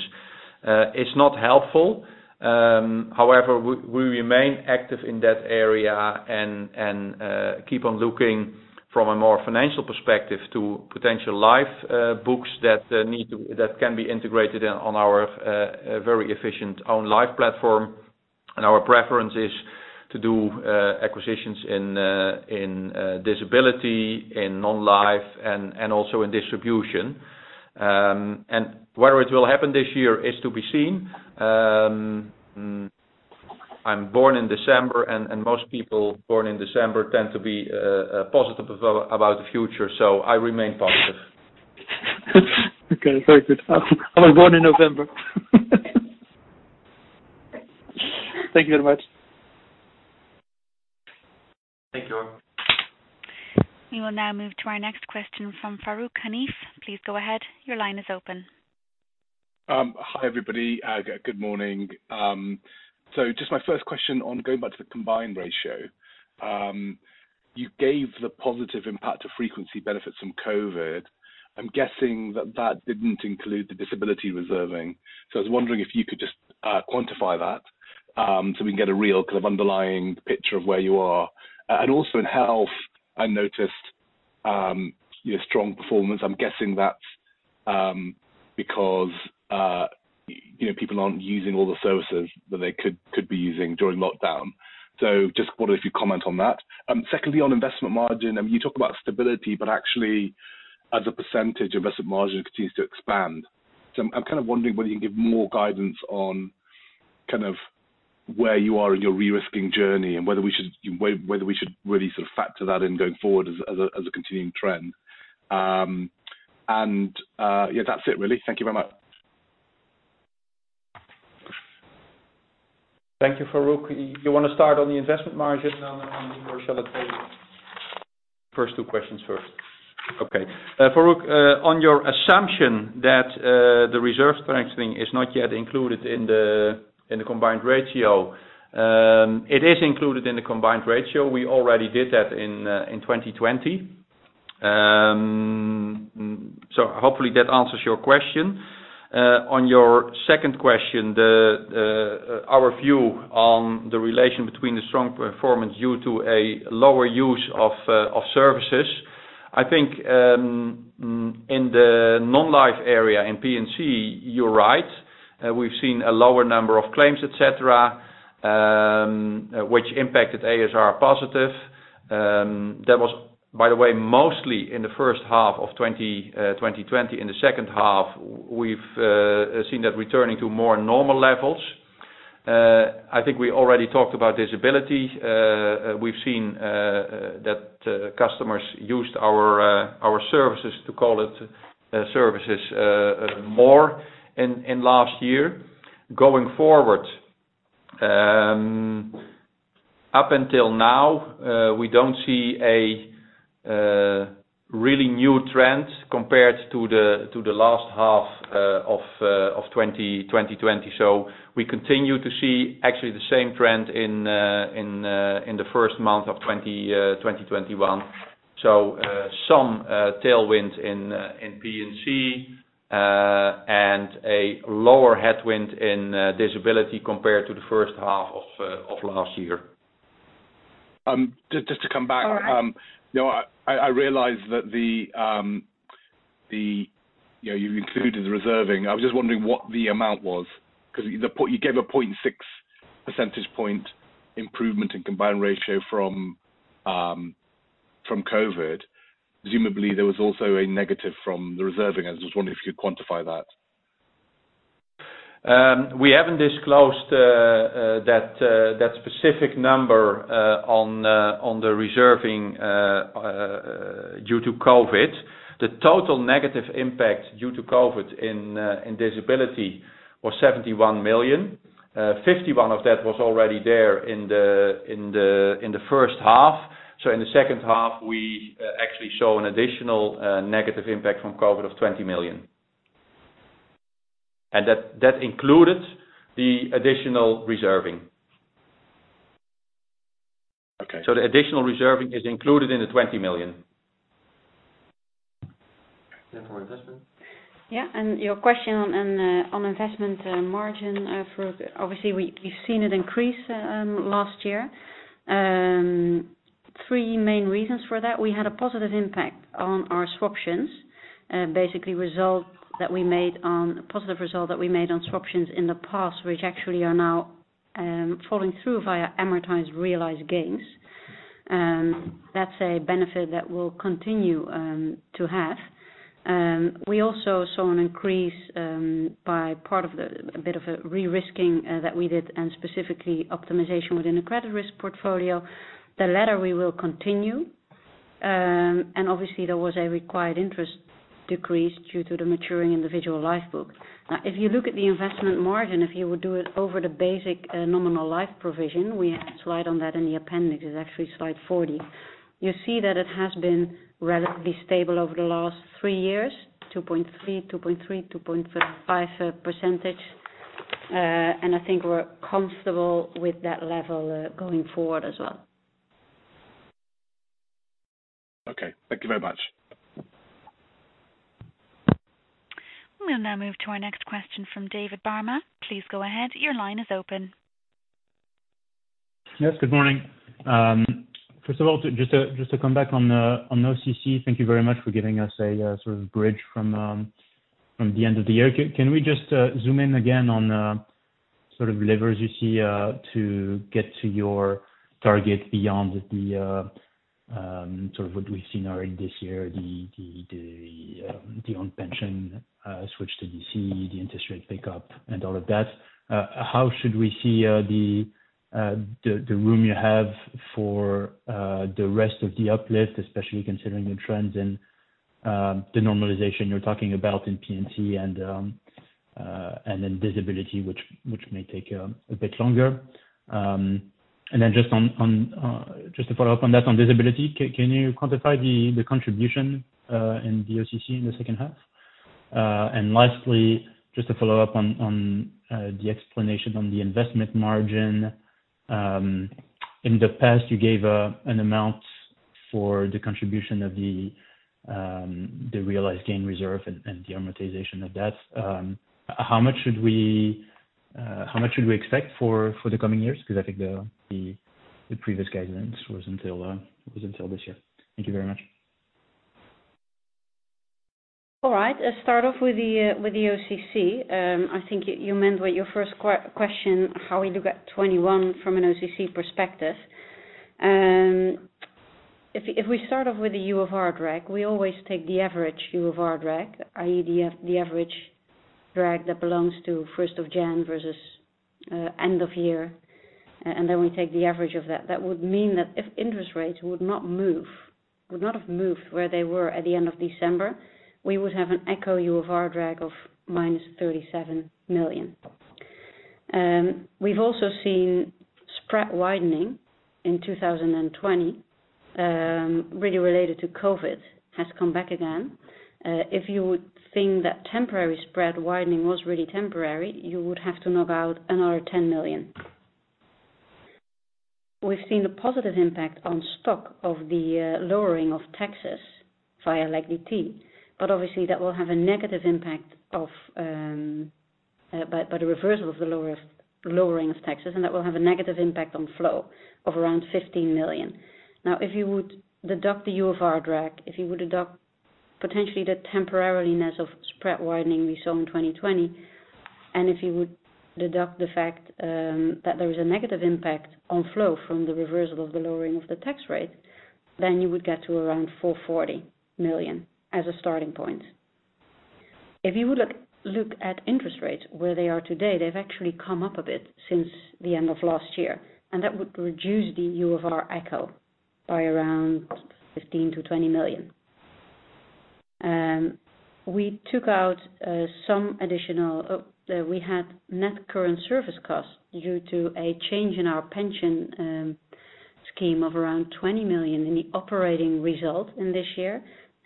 Speaker 3: it's not helpful. However, we remain active in that area and keep on looking from a more financial perspective to potential life books that can be integrated on our very efficient own life platform. Our preference is to do acquisitions in disability, in non-life, and also in distribution. Where it will happen this year is to be seen. I'm born in December, and most people born in December tend to be positive about the future, so I remain positive.
Speaker 5: Okay, very good. I was born in November. Thank you very much.
Speaker 3: Thank you.
Speaker 1: We will now move to our next question from Farooq Hanif. Please go ahead. Your line is open.
Speaker 6: Hi, everybody. Good morning. Just my first question on going back to the Combined Ratio. You gave the positive impact of frequency benefits from COVID. I'm guessing that that didn't include the disability reserving. I was wondering if you could just quantify that. We can get a real kind of underlying picture of where you are. Also in health, I noticed your strong performance. I'm guessing that's because people aren't using all the services that they could be using during lockdown. Just wondered if you'd comment on that. Secondly, on investment margin. You talk about stability, actually as a percentage, investment margin continues to expand. I'm kind of wondering whether you can give more guidance on kind of where you are in your re-risking journey, and whether we should really sort of factor that in going forward as a continuing trend. Yeah, that's it really. Thank you very much.
Speaker 3: Thank you, Farooq. You want to start on the investment margin, and then on the commercial update?
Speaker 6: First two questions first.
Speaker 3: Okay. Farooq, on your assumption that the reserve strengthening is not yet included in the Combined Ratio. It is included in the Combined Ratio. We already did that in 2020. Hopefully that answers your question. On your second question, our view on the relation between the strong performance due to a lower use of services. I think in the non-life area, in P&C, you're right. We've seen a lower number of claims, et cetera, which impacted ASR positive. That was, by the way, mostly in the first half of 2020. In the second half, we've seen that returning to more normal levels. I think we already talked about disability. We've seen that customers used our services, to call it services, more in last year. Going forward, up until now, we don't see a really new trend compared to the last half of 2020. We continue to see actually the same trend in the first month of 2021. Some tailwind in P&C, and a lower headwind in disability compared to the first half of last year.
Speaker 6: Just to come back.
Speaker 3: All right.
Speaker 6: I realize that you've included the reserving. I was just wondering what the amount was. You gave a 0.6 percentage point improvement in Combined Ratio from COVID. Presumably, there was also a negative from the reserving. I just wonder if you could quantify that.
Speaker 3: We haven't disclosed that specific number on the reserving due to COVID. The total negative impact due to COVID in disability was 71 million. 51 of that was already there in the first half. In the second half, we actually show an additional negative impact from COVID of 20 million. That included the additional reserving.
Speaker 6: Okay.
Speaker 3: The additional reserving is included in the 20 million.
Speaker 6: Yeah, for investment.
Speaker 4: Your question on investment margin, Farooq, obviously we've seen it increase last year. Three main reasons for that. We had a positive impact on our swaptions. Basically, positive result that we made on swaptions in the past, which actually are now falling through via amortized realized gains. That's a benefit that we'll continue to have. We also saw an increase by part of a bit of a de-risking that we did, and specifically optimization within the credit risk portfolio. The latter we will continue. Obviously there was a required interest decrease due to the maturing individual life book. Now, if you look at the investment margin, if you would do it over the basic nominal life provision, we have a slide on that in the appendix, it's actually slide 40. You see that it has been relatively stable over the last three years, 2.3%, 2.3%, 2.5%. I think we're comfortable with that level going forward as well.
Speaker 6: Okay. Thank you very much.
Speaker 1: We'll now move to our next question from David Barma. Please go ahead. Your line is open.
Speaker 7: Yes, good morning. First of all, just to come back on OCC. Thank you very much for giving us a sort of bridge from the end of the year. Can we just zoom in again on sort of levers you see to get to your target beyond the sort of what we've seen already this year, the own pension switch to DC, the interest rate pickup and all of that. How should we see the room you have for the rest of the uplift, especially considering the trends and the normalization you're talking about in P&C and then disability, which may take a bit longer? Just to follow up on that, on disability, can you quantify the contribution in the OCC in the second half? Lastly, just to follow up on the explanation on the investment margin. In the past, you gave an amount for the contribution of the realized gain reserve and the amortization of that, how much should we expect for the coming years? I think the previous guidance was until this year. Thank you very much.
Speaker 4: All right. Let's start off with the OCC. I think you meant with your first question, how we look at 2021 from an OCC perspective. If we start off with the UFR drag, we always take the average UFR drag, i.e., the average drag that belongs to first of January versus end of year, and then we take the average of that. That would mean that if interest rates would not have moved where they were at the end of December, we would have an echo UFR drag of -37 million. We've also seen spread widening in 2020, really related to COVID, has come back again. If you would think that temporary spread widening was really temporary, you would have to knock out another 10 million. We've seen a positive impact on stock of the lowering of taxes via Legacy T. Obviously, that will have a negative impact by the reversal of the lowering of taxes, and that will have a negative impact on flow of around 15 million. If you would deduct the UFR drag, if you would deduct potentially the temporariness of spread widening we saw in 2020, and if you would deduct the fact that there is a negative impact on flow from the reversal of the lowering of the tax rate, then you would get to around 440 million as a starting point. If you would look at interest rates, where they are today, they've actually come up a bit since the end of last year, and that would reduce the UFR echo by around 15 million-20 million. We had net current service costs due to a change in our pension scheme of around 20 million in the operating result in this year,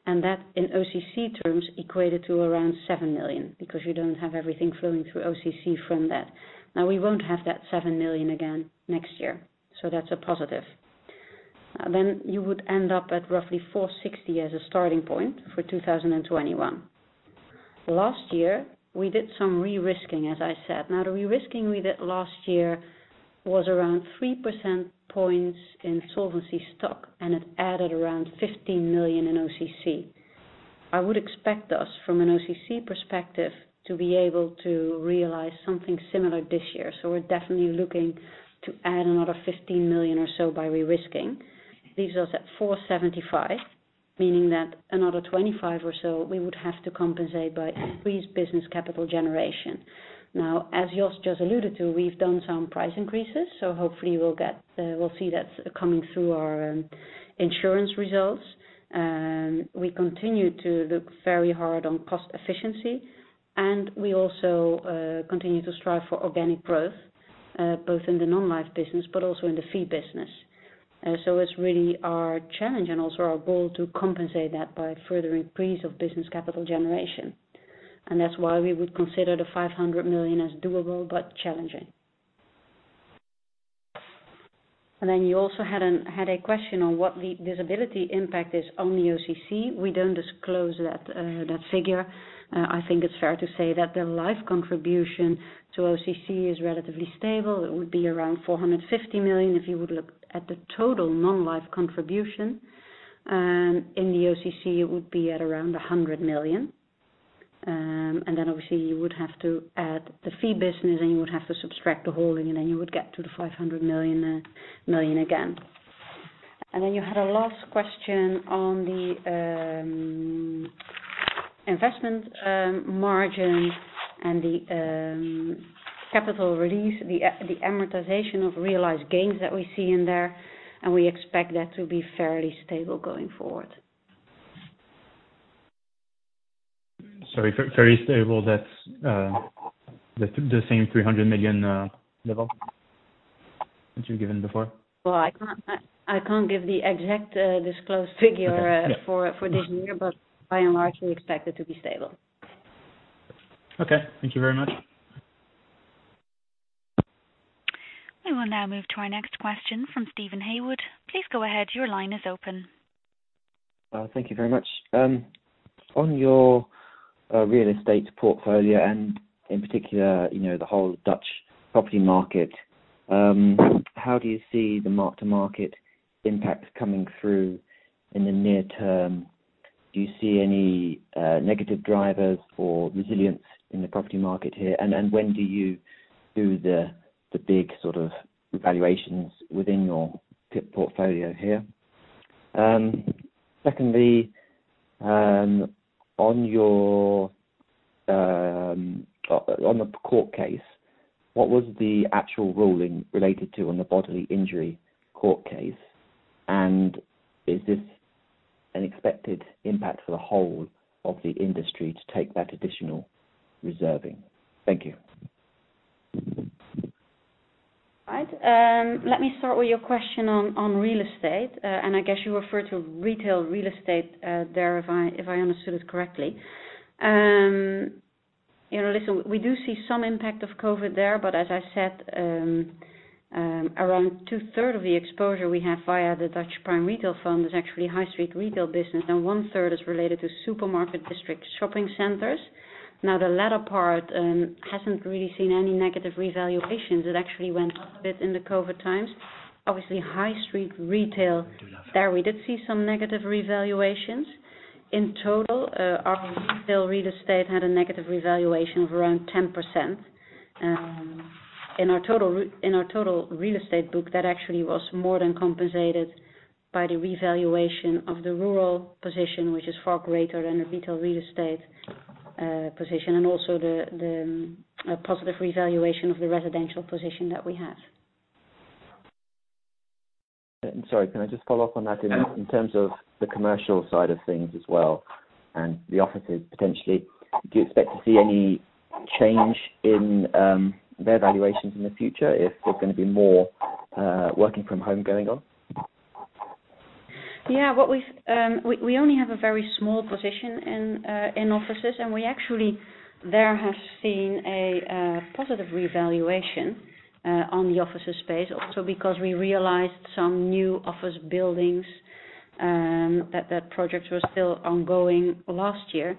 Speaker 4: and that in OCC terms equated to around 7 million, because you don't have everything flowing through OCC from that. We won't have that 7 million again next year. That's a positive. You would end up at roughly 460 as a starting point for 2021. Last year, we did some de-risking, as I said. De-risking we did last year was around 3 percentage points in solvency stock, and it added around 15 million in OCC. I would expect us, from an OCC perspective, to be able to realize something similar this year. We're definitely looking to add another 15 million or so by de-risking. Leaves us at 475, meaning that another 25 or so we would have to compensate by increased business capital generation. As Jos just alluded to, we've done some price increases, so hopefully we'll see that coming through our insurance results. We continue to look very hard on cost efficiency, and we also continue to strive for organic growth, both in the non-life business but also in the fee business. It's really our challenge and also our goal to compensate that by further increase of business capital generation. That's why we would consider the 500 million as doable but challenging. Then you also had a question on what the disability impact is on the OCC. We don't disclose that figure. I think it's fair to say that the life contribution to OCC is relatively stable. It would be around 450 million. If you would look at the total non-life contribution in the OCC, it would be at around 100 million. Then obviously you would have to add the fee business, and you would have to subtract the holding, and then you would get to the 500 million again. Then you had a last question on the investment margin and the capital release, the amortization of realized gains that we see in there, and we expect that to be fairly stable going forward.
Speaker 7: Sorry, fairly stable, that's the same 300 million level that you've given before?
Speaker 4: Well, I can't give the exact disclosed figure.
Speaker 7: Okay, yeah.
Speaker 4: for this year, but by and large, we expect it to be stable.
Speaker 7: Okay. Thank you very much.
Speaker 1: We will now move to our next question from Steven Haywood. Please go ahead. Your line is open.
Speaker 8: Thank you very much. On your real estate portfolio, and in particular, the whole Dutch property market, how do you see the mark-to-market impacts coming through in the near term? Do you see any negative drivers for resilience in the property market here? When do you do the big sort of revaluations within your portfolio here? Secondly, on the court case, what was the actual ruling related to on the bodily injury court case, and is this an expected impact for the whole of the industry to take that additional reserving? Thank you.
Speaker 4: Let me start with your question on real estate, and I guess you refer to retail real estate there, if I understood it correctly. We do see some impact of COVID there, but as I said, around two-third of the exposure we have via the Dutch Prime Retail Fund is actually high street retail business, and one-third is related to supermarket district shopping centers. The latter part hasn't really seen any negative revaluations. It actually went up a bit in the COVID times. High street retail, there we did see some negative revaluations. Our retail real estate had a negative revaluation of around 10%. In our total real estate book, that actually was more than compensated by the revaluation of the rural position, which is far greater than the retail real estate position, and also the positive revaluation of the residential position that we have.
Speaker 8: Sorry, can I just follow up on that in terms of the commercial side of things as well, and the offices potentially. Do you expect to see any change in their valuations in the future if there's going to be more working from home going on?
Speaker 4: Yeah. We only have a very small position in offices, and we actually there have seen a positive revaluation on the offices space also because we realized some new office buildings, that project was still ongoing last year.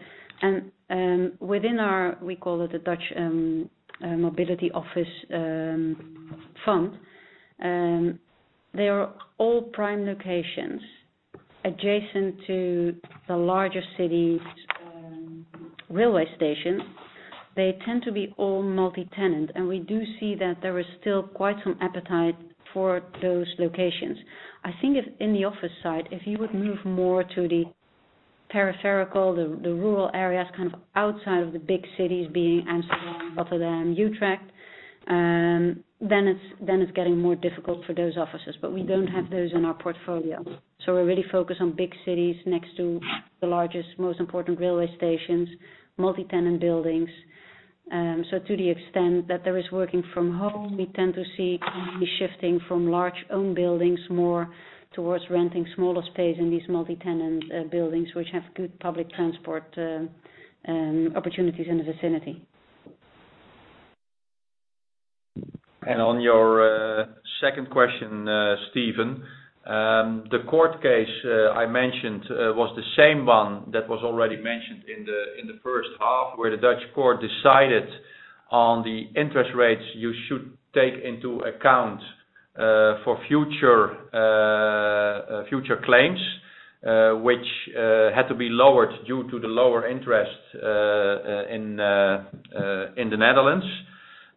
Speaker 4: Within our, we call it the Dutch Mobility Office Fund, they are all prime locations adjacent to the larger cities' railway stations. They tend to be all multi-tenant, and we do see that there is still quite some appetite for those locations. I think in the office side, if you would move more to the peripheral, the rural areas outside of the big cities being Amsterdam, Rotterdam, Utrecht, then it's getting more difficult for those offices, but we don't have those in our portfolio. We're really focused on big cities next to the largest, most important railway stations, multi-tenant buildings. To the extent that there is working from home, we tend to see companies shifting from large owned buildings more towards renting smaller space in these multi-tenant buildings, which have good public transport opportunities in the vicinity.
Speaker 3: On your second question, Steven, the court case I mentioned was the same one that was already mentioned in the first half, where the Dutch court decided on the interest rates you should take into account for future claims which had to be lowered due to the lower interest in the Netherlands.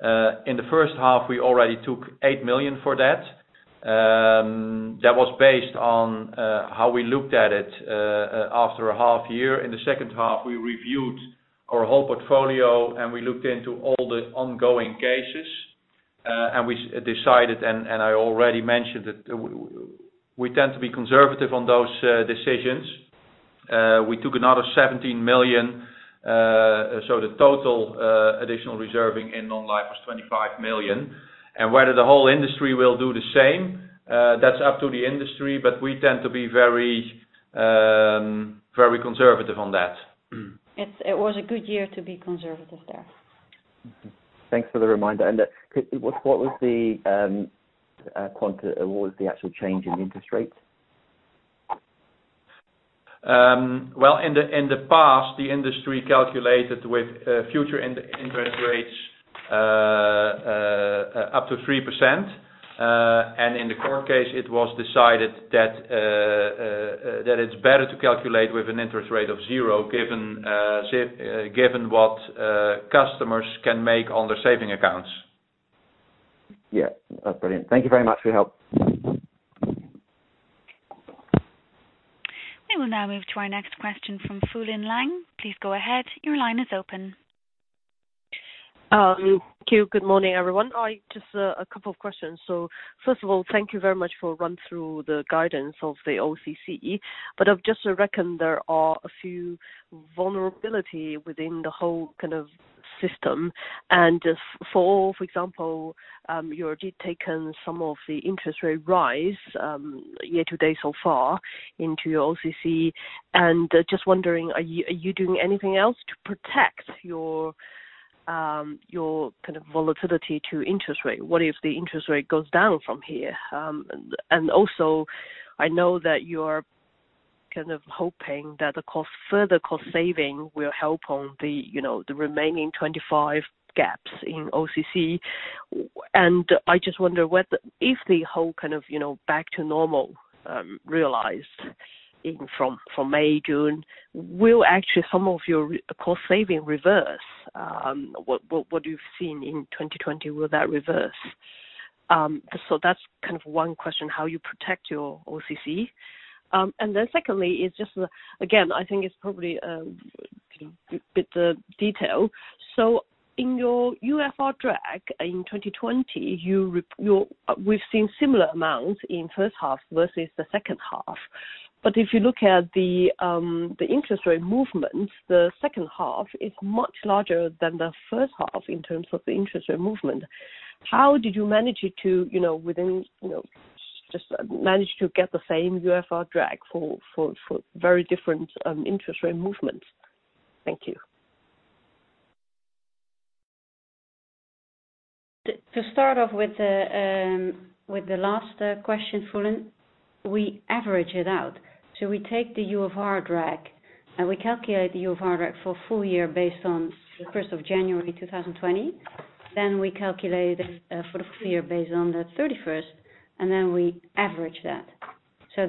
Speaker 3: In the first half, we already took 8 million for that. That was based on how we looked at it after a half year. In the second half, we reviewed our whole portfolio, and we looked into all the ongoing cases, and we decided, and I already mentioned that we tend to be conservative on those decisions. We took another 17 million, so the total additional reserving in non-life was 25 million. Whether the whole industry will do the same, that's up to the industry, but we tend to be very conservative on that.
Speaker 4: It was a good year to be conservative there.
Speaker 8: Thanks for the reminder. What was the actual change in interest rates?
Speaker 3: Well, in the past, the industry calculated with future interest rates up to 3%, and in the court case, it was decided that it's better to calculate with an interest rate of zero given what customers can make on their saving accounts.
Speaker 8: Yeah. That's brilliant. Thank you very much for your help.
Speaker 1: We will now move to our next question from Fulin Liang. Please go ahead. Your line is open.
Speaker 9: Thank you. Good morning, everyone. Just a couple of questions. First of all, thank you very much for run through the guidance of the OCC. I've just reckoned there are a few vulnerability within the whole kind of system, and just for example, you already taken some of the interest rate rise year-to-date so far into your OCC, and just wondering, are you doing anything else to protect your kind of volatility to interest rate? What if the interest rate goes down from here? Also, I know that you're kind of hoping that the further cost saving will help on the remaining 25 gaps in OCC. I just wonder if the whole kind of back to normal realized from May, June, will actually some of your cost saving reverse? What you've seen in 2020, will that reverse? That's one question, how you protect your OCC. Secondly, it's just again, I think it's probably a bit detail. In your UFR drag in 2020, we've seen similar amounts in first half versus the second half. If you look at the interest rate movements, the second half is much larger than the first half in terms of the interest rate movement. How did you manage it to just managed to get the same UFR drag for very different interest rate movements? Thank you.
Speaker 4: To start off with the last question, Fulin, we average it out. We take the UFR drag, and we calculate the UFR drag for a full year based on the 1st of January 2020. We calculate for the full year based on the 31st, and then we average that.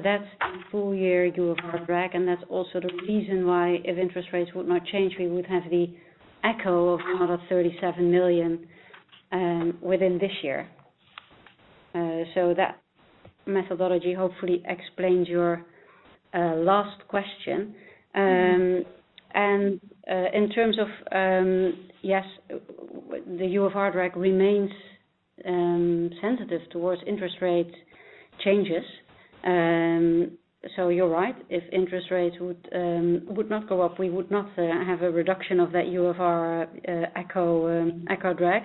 Speaker 4: That's the full year UFR drag, and that's also the reason why if interest rates would not change, we would have the echo of another 37 million within this year. That methodology hopefully explains your last question. In terms of, yes, the UFR drag remains sensitive towards interest rate changes. You're right. If interest rates would not go up, we would not have a reduction of that UFR echo drag.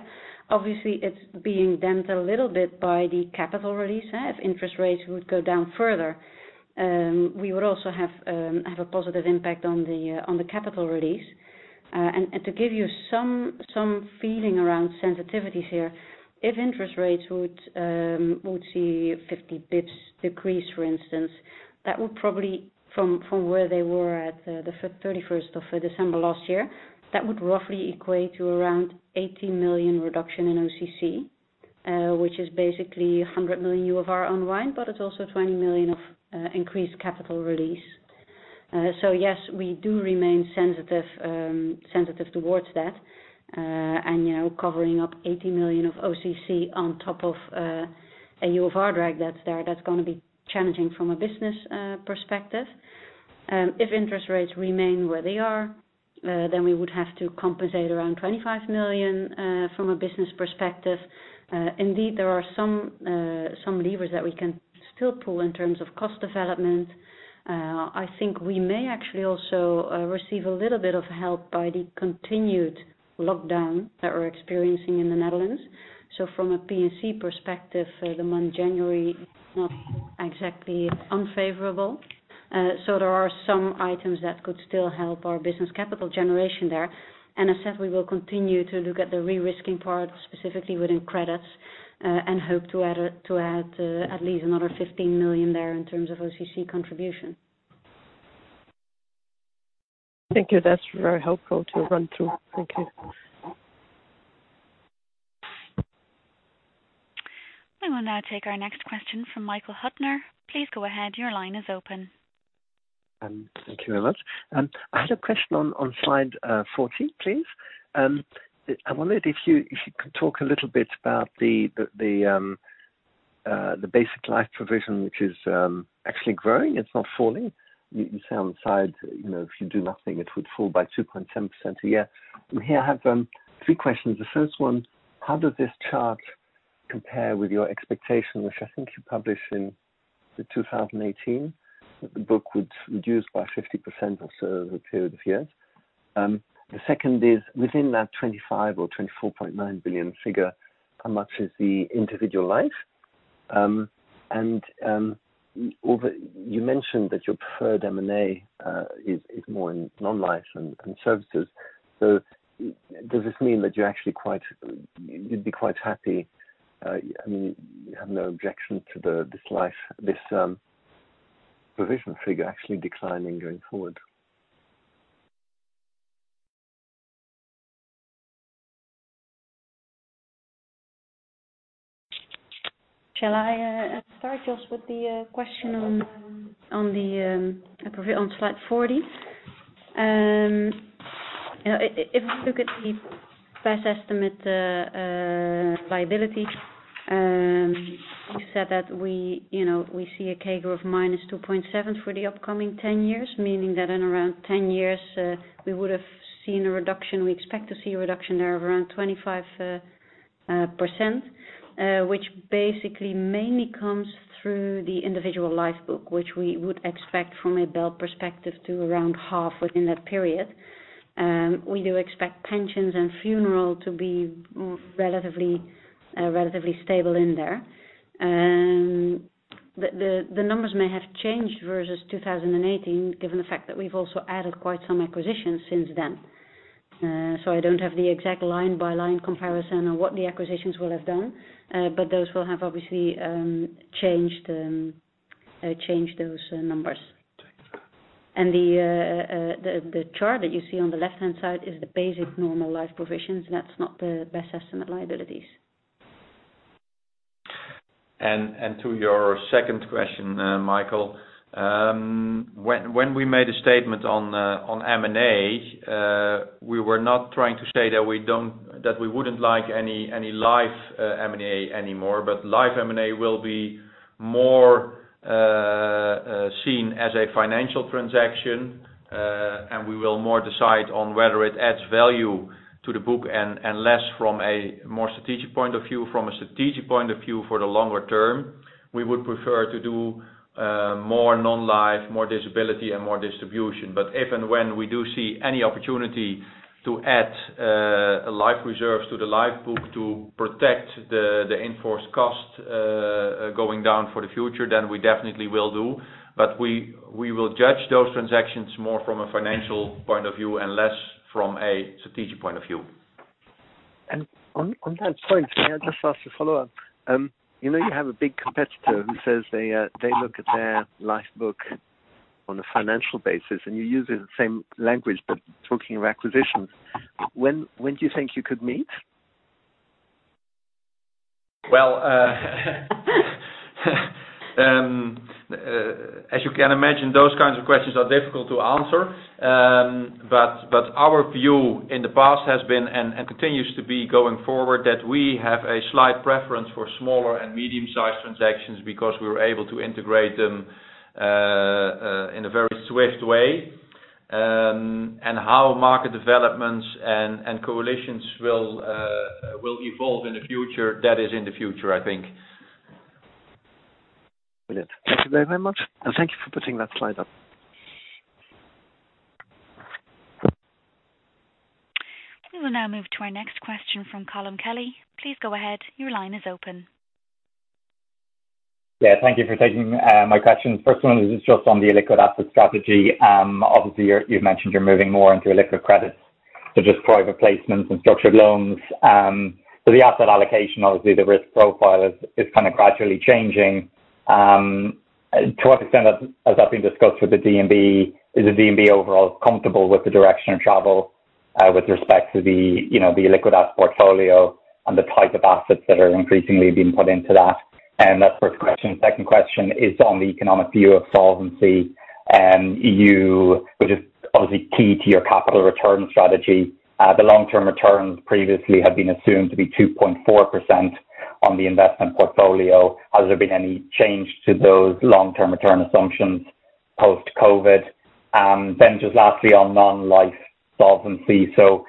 Speaker 4: Obviously, it's being dented a little bit by the capital release. If interest rates would go down further, we would also have a positive impact on the capital release. To give you some feeling around sensitivities here, if interest rates would see 50 bips decrease, for instance, that would probably, from where they were at the 31st of December last year, that would roughly equate to around 80 million reduction in OCC, which is basically 100 million UFR unwind, but it's also 20 million of increased capital release. Yes, we do remain sensitive towards that. Covering up 80 million of OCC on top of a UFR drag that's there, that's going to be challenging from a business perspective. If interest rates remain where they are, then we would have to compensate around 25 million from a business perspective. Indeed, there are some levers that we can still pull in terms of cost development. I think we may actually also receive a little bit of help by the continued lockdown that we're experiencing in the Netherlands. From a P&C perspective, the month January is not exactly unfavorable. There are some items that could still help our business capital generation there. As said, we will continue to look at the re-risking part, specifically within credits, and hope to add at least another 15 million there in terms of OCC contribution.
Speaker 9: Thank you. That's very helpful to run through. Thank you.
Speaker 1: We will now take our next question from Michael Huttner. Please go ahead. Your line is open.
Speaker 10: Thank you very much. I had a question on slide 40, please. I wondered if you could talk a little bit about the basic life provision, which is actually growing. It's not falling. You can see on the side, if you do nothing, it would fall by 2.7% a year. Here I have three questions. The first one, how does this chart compare with your expectation, which I think I published in 2018, that the book would reduce by 50% or so over a period of years? The second is, within that 25 or 24.9 billion figure, how much is the individual life? You mentioned that your preferred M&A is more in non-life and services. Does this mean that you'd be quite happy, you have no objection to this life, this provision figure actually declining going forward?
Speaker 4: Shall I start, Jos, with the question on slide 40? If we look at the best estimate liability, we said that we see a CAGR of -2.7 for the upcoming 10 years, meaning that in around 10 years, we would have seen a reduction. We expect to see a reduction there of around 25%, which basically mainly comes through the individual life book, which we would expect from a BEL perspective to around half within that period. We do expect pensions and funeral to be relatively stable in there. The numbers may have changed versus 2018, given the fact that we've also added quite some acquisitions since then. I don't have the exact line-by-line comparison on what the acquisitions will have done, but those will have obviously changed those numbers.
Speaker 10: Thanks.
Speaker 4: The chart that you see on the left-hand side is the basic normal life provisions. That's not the best estimate liabilities.
Speaker 3: To your second question, Michael, when we made a statement on M&A, we were not trying to say that we wouldn't like any life M&A anymore, but life M&A will be more seen as a financial transaction, and we will more decide on whether it adds value to the book and less from a more strategic point of view. From a strategic point of view for the longer term, we would prefer to do more non-life, more disability, and more distribution. If and when we do see any opportunity to add life reserves to the life book to protect the enforced cost going down for the future, then we definitely will do. We will judge those transactions more from a financial point of view and less from a strategic point of view.
Speaker 10: On that point, may I just ask a follow-up? You have a big competitor who says they look at their life book on a financial basis, and you're using the same language, but talking of acquisitions. When do you think you could meet?
Speaker 3: Well as you can imagine, those kinds of questions are difficult to answer. Our view in the past has been, and continues to be going forward, that we have a slight preference for smaller and medium-sized transactions because we were able to integrate them in a very swift way. How market developments and coalitions will evolve in the future, that is in the future, I think.
Speaker 10: Brilliant. Thank you very much, and thank you for putting that slide up.
Speaker 1: We will now move to our next question from Colm Kelly.
Speaker 11: Yeah. Thank you for taking my questions. First one is just on the illiquid asset strategy. Obviously, you've mentioned you're moving more into illiquid credits, so just private placements and structured loans. The asset allocation, obviously, the risk profile is gradually changing. To what extent has that been discussed with the DNB? Is the DNB overall comfortable with the direction of travel with respect to the illiquid asset portfolio and the type of assets that are increasingly being put into that? That's the first question. Second question is on the economic view of solvency and EV, which is obviously key to your capital return strategy. The long-term returns previously had been assumed to be 2.4% on the investment portfolio. Has there been any change to those long-term return assumptions post-COVID-19? Just lastly, on non-life solvency. The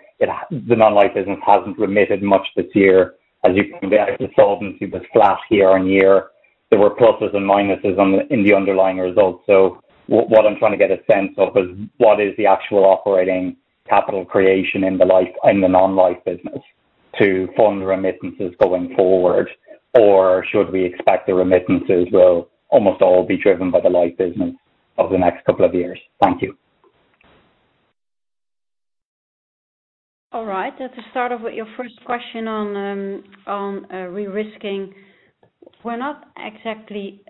Speaker 11: non-life business hasn't remitted much this year. As you can see, the solvency was flat year-over-year. There were pluses and minuses in the underlying results. What I'm trying to get a sense of is what is the actual operating capital creation in the non-life business to fund remittances going forward, or should we expect the remittances will almost all be driven by the life business over the next couple of years? Thank you.
Speaker 4: All right. Let's start off with your first question on re-risking. We're not exactly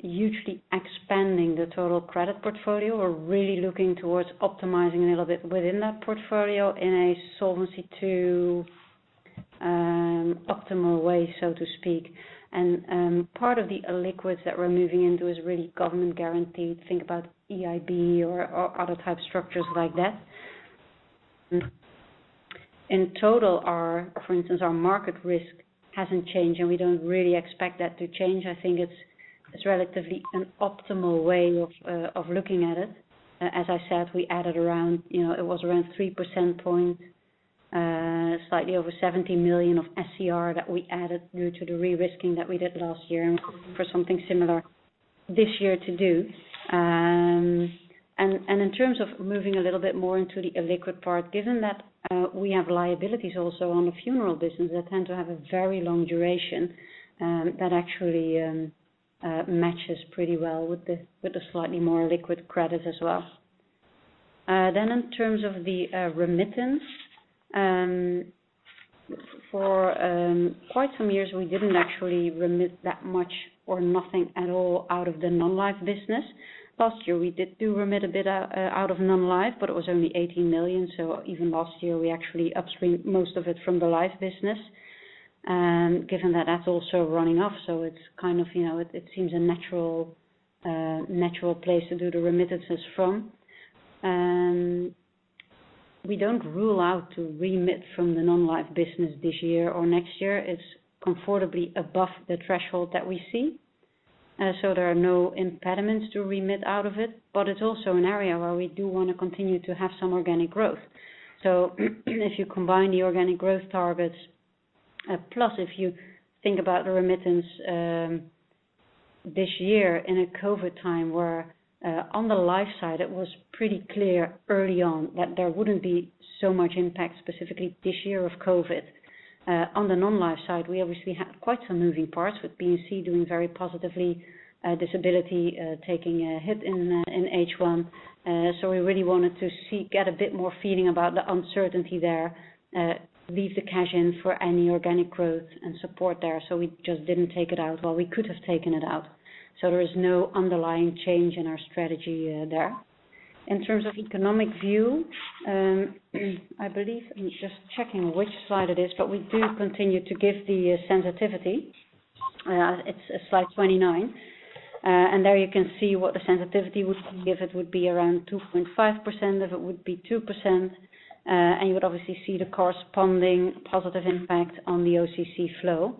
Speaker 4: hugely expanding the total credit portfolio. We're really looking towards optimizing a little bit within that portfolio in a Solvency II optimal way, so to speak. Part of the illiquids that we're moving into is really government guaranteed. Think about EIB or other type structures like that. In total, for instance, our market risk hasn't changed, and we don't really expect that to change. I think it's relatively an optimal way of looking at it. As I said, it was around 3% point, slightly over 70 million of SCR that we added due to the re-risking that we did last year, and for something similar this year to do. In terms of moving a little bit more into the illiquid part, given that we have liabilities also on the funeral business that tend to have a very long duration that actually matches pretty well with the slightly more liquid credit as well. In terms of the remittance. For quite some years, we didn't actually remit that much or nothing at all out of the non-life business. Last year, we did do remit a bit out of non-life, but it was only 18 million. Even last year, we actually upstreamed most of it from the life business. Given that that's also running off, so it seems a natural place to do the remittances from. We don't rule out to remit from the non-life business this year or next year. It's comfortably above the threshold that we see. There are no impediments to remit out of it, but it's also an area where we do want to continue to have some organic growth. If you combine the organic growth targets, plus if you think about the remittance this year in a COVID time where on the life side, it was pretty clear early on that there wouldn't be so much impact specifically this year of COVID. On the non-life side, we obviously have quite some moving parts with P&C doing very positively, disability taking a hit in H1. We really wanted to get a bit more feeling about the uncertainty there, leave the cash in for any organic growth and support there. We just didn't take it out. Well, we could have taken it out. There is no underlying change in our strategy there. In terms of economic view, I believe, I'm just checking which slide it is, but we do continue to give the sensitivity. It's slide 29. There you can see what the sensitivity would be if it would be around 2.5%, if it would be 2%, and you would obviously see the corresponding positive impact on the OCC flow.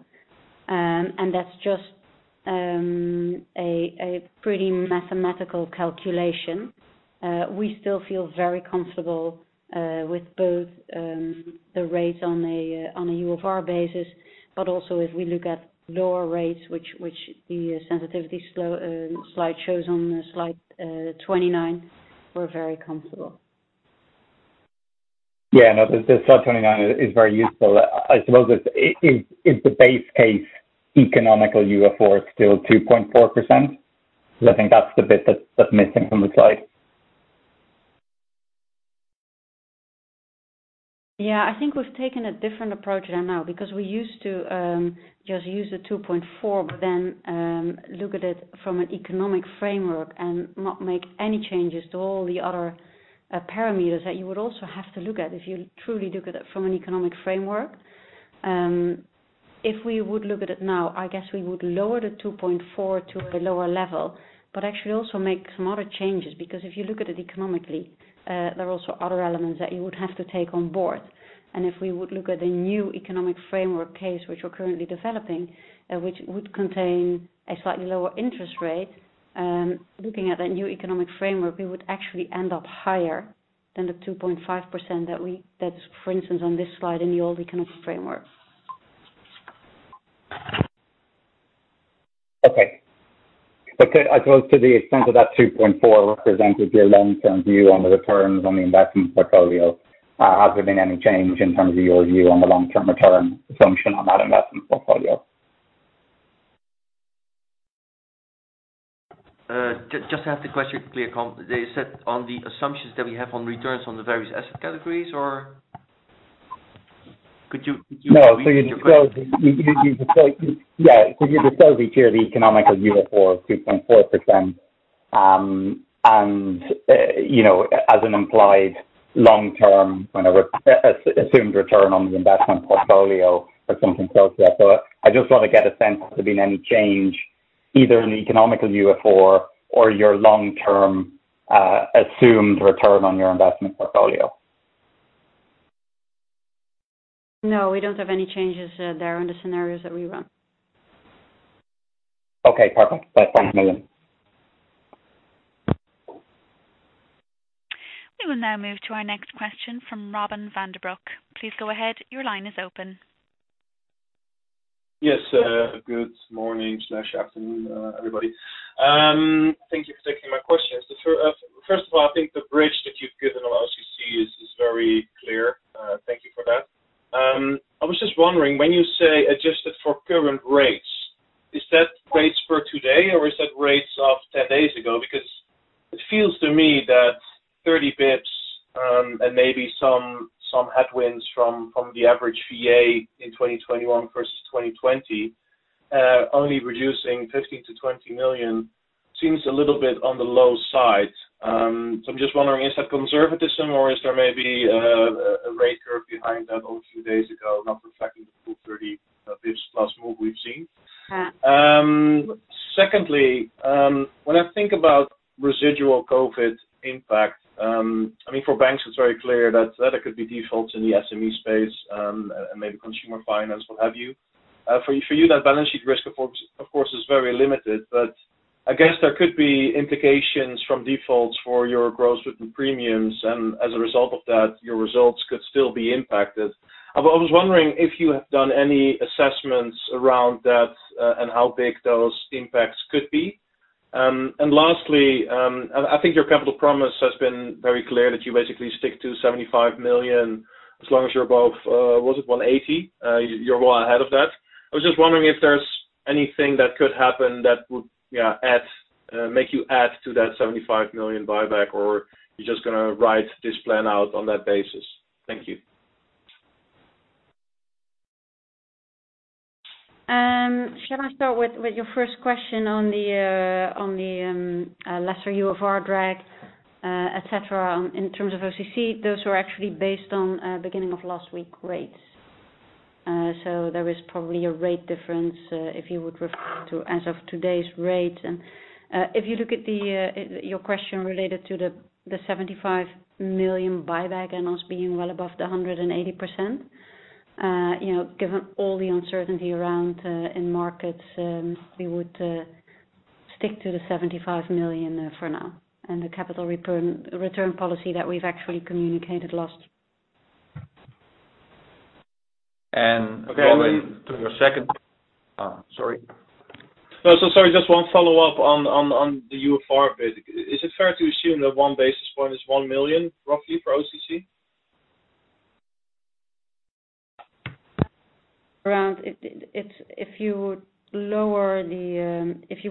Speaker 4: That's just a pretty mathematical calculation. We still feel very comfortable with both the rates on a UFR basis, but also if we look at lower rates, which the sensitivity slide shows on slide 29, we're very comfortable.
Speaker 11: Yeah. No, the slide 29 is very useful. I suppose is the base case economical UFR still 2.4%? Because I think that's the bit that's missing from the slide.
Speaker 4: Yeah, I think we've taken a different approach there now because we used to just use the 2.4 but then look at it from an economic framework and not make any changes to all the other parameters that you would also have to look at if you truly look at it from an economic framework. If we would look at it now, I guess we would lower the 2.4 to a lower level, but actually also make some other changes because if you look at it economically, there are also other elements that you would have to take on board. If we would look at the new economic framework case, which we're currently developing, which would contain a slightly lower interest rate, looking at that new economic framework, we would actually end up higher than the 2.5% that is, for instance, on this slide in the old economic framework.
Speaker 11: Okay. I suppose to the extent that that 2.4 represented your long-term view on the returns on the investment portfolio, has there been any change in terms of your view on the long-term return assumption on that investment portfolio?
Speaker 3: Just to have the question clear, Colm, is that on the assumptions that we have on returns on the various asset categories, or could you?
Speaker 11: No. Yeah, because you disclose each year the economical UFR of 2.4%, and as an implied long-term assumed return on the investment portfolio or something close to that. I just want to get a sense if there's been any change, either in the economical UFR or your long-term assumed return on your investment portfolio.
Speaker 4: No, we don't have any changes there on the scenarios that we run.
Speaker 11: Okay, perfect. Thanks a million.
Speaker 1: We will now move to our next question from Robin van den Broek. Please go ahead. Your line is open.
Speaker 12: Yes. Good morning/afternoon, everybody. Thank you for taking my questions. First of all, I think the bridge that you've given on OCC is very clear. Thank you for that. I was just wondering, when you say adjusted for current rates, is that rates for today, or is that rates of 10 days ago? It feels to me that 30 basis points, and maybe some headwinds from the average VA in 2021 versus 2020, only reducing 15 million-20 million seems a little bit on the low side. I'm just wondering, is that conservatism or is there maybe a rate curve behind that of a few days ago not reflecting the full 30 basis points plus move we've seen?
Speaker 4: Yeah.
Speaker 12: Secondly, when I think about residual COVID impact, for banks it's very clear that there could be defaults in the SME space, and maybe consumer finance, what have you. For you, that balance sheet risk, of course, is very limited. I guess there could be implications from defaults for your gross written premiums, and as a result of that, your results could still be impacted. I was wondering if you have done any assessments around that, and how big those impacts could be. Lastly, I think your capital promise has been very clear that you basically stick to 75 million as long as you're above, was it 180 billion? You're well ahead of that. I was just wondering if there's anything that could happen that would make you add to that 75 million buyback, or you're just going to ride this plan out on that basis. Thank you.
Speaker 4: Shall I start with your first question on the lesser UFR drag, et cetera, in terms of OCC, those were actually based on beginning of last week rates. There is probably a rate difference, if you would refer to as of today's rate. If you look at your question related to the 75 million buyback and us being well above the 180%, given all the uncertainty around in markets, we would stick to the 75 million for now and the capital return policy that we've actually communicated last.
Speaker 3: Robin, sorry.
Speaker 12: No. Sorry, just one follow-up on the UFR bit. Is it fair to assume that one basis point is 1 million, roughly, for OCC?
Speaker 4: If you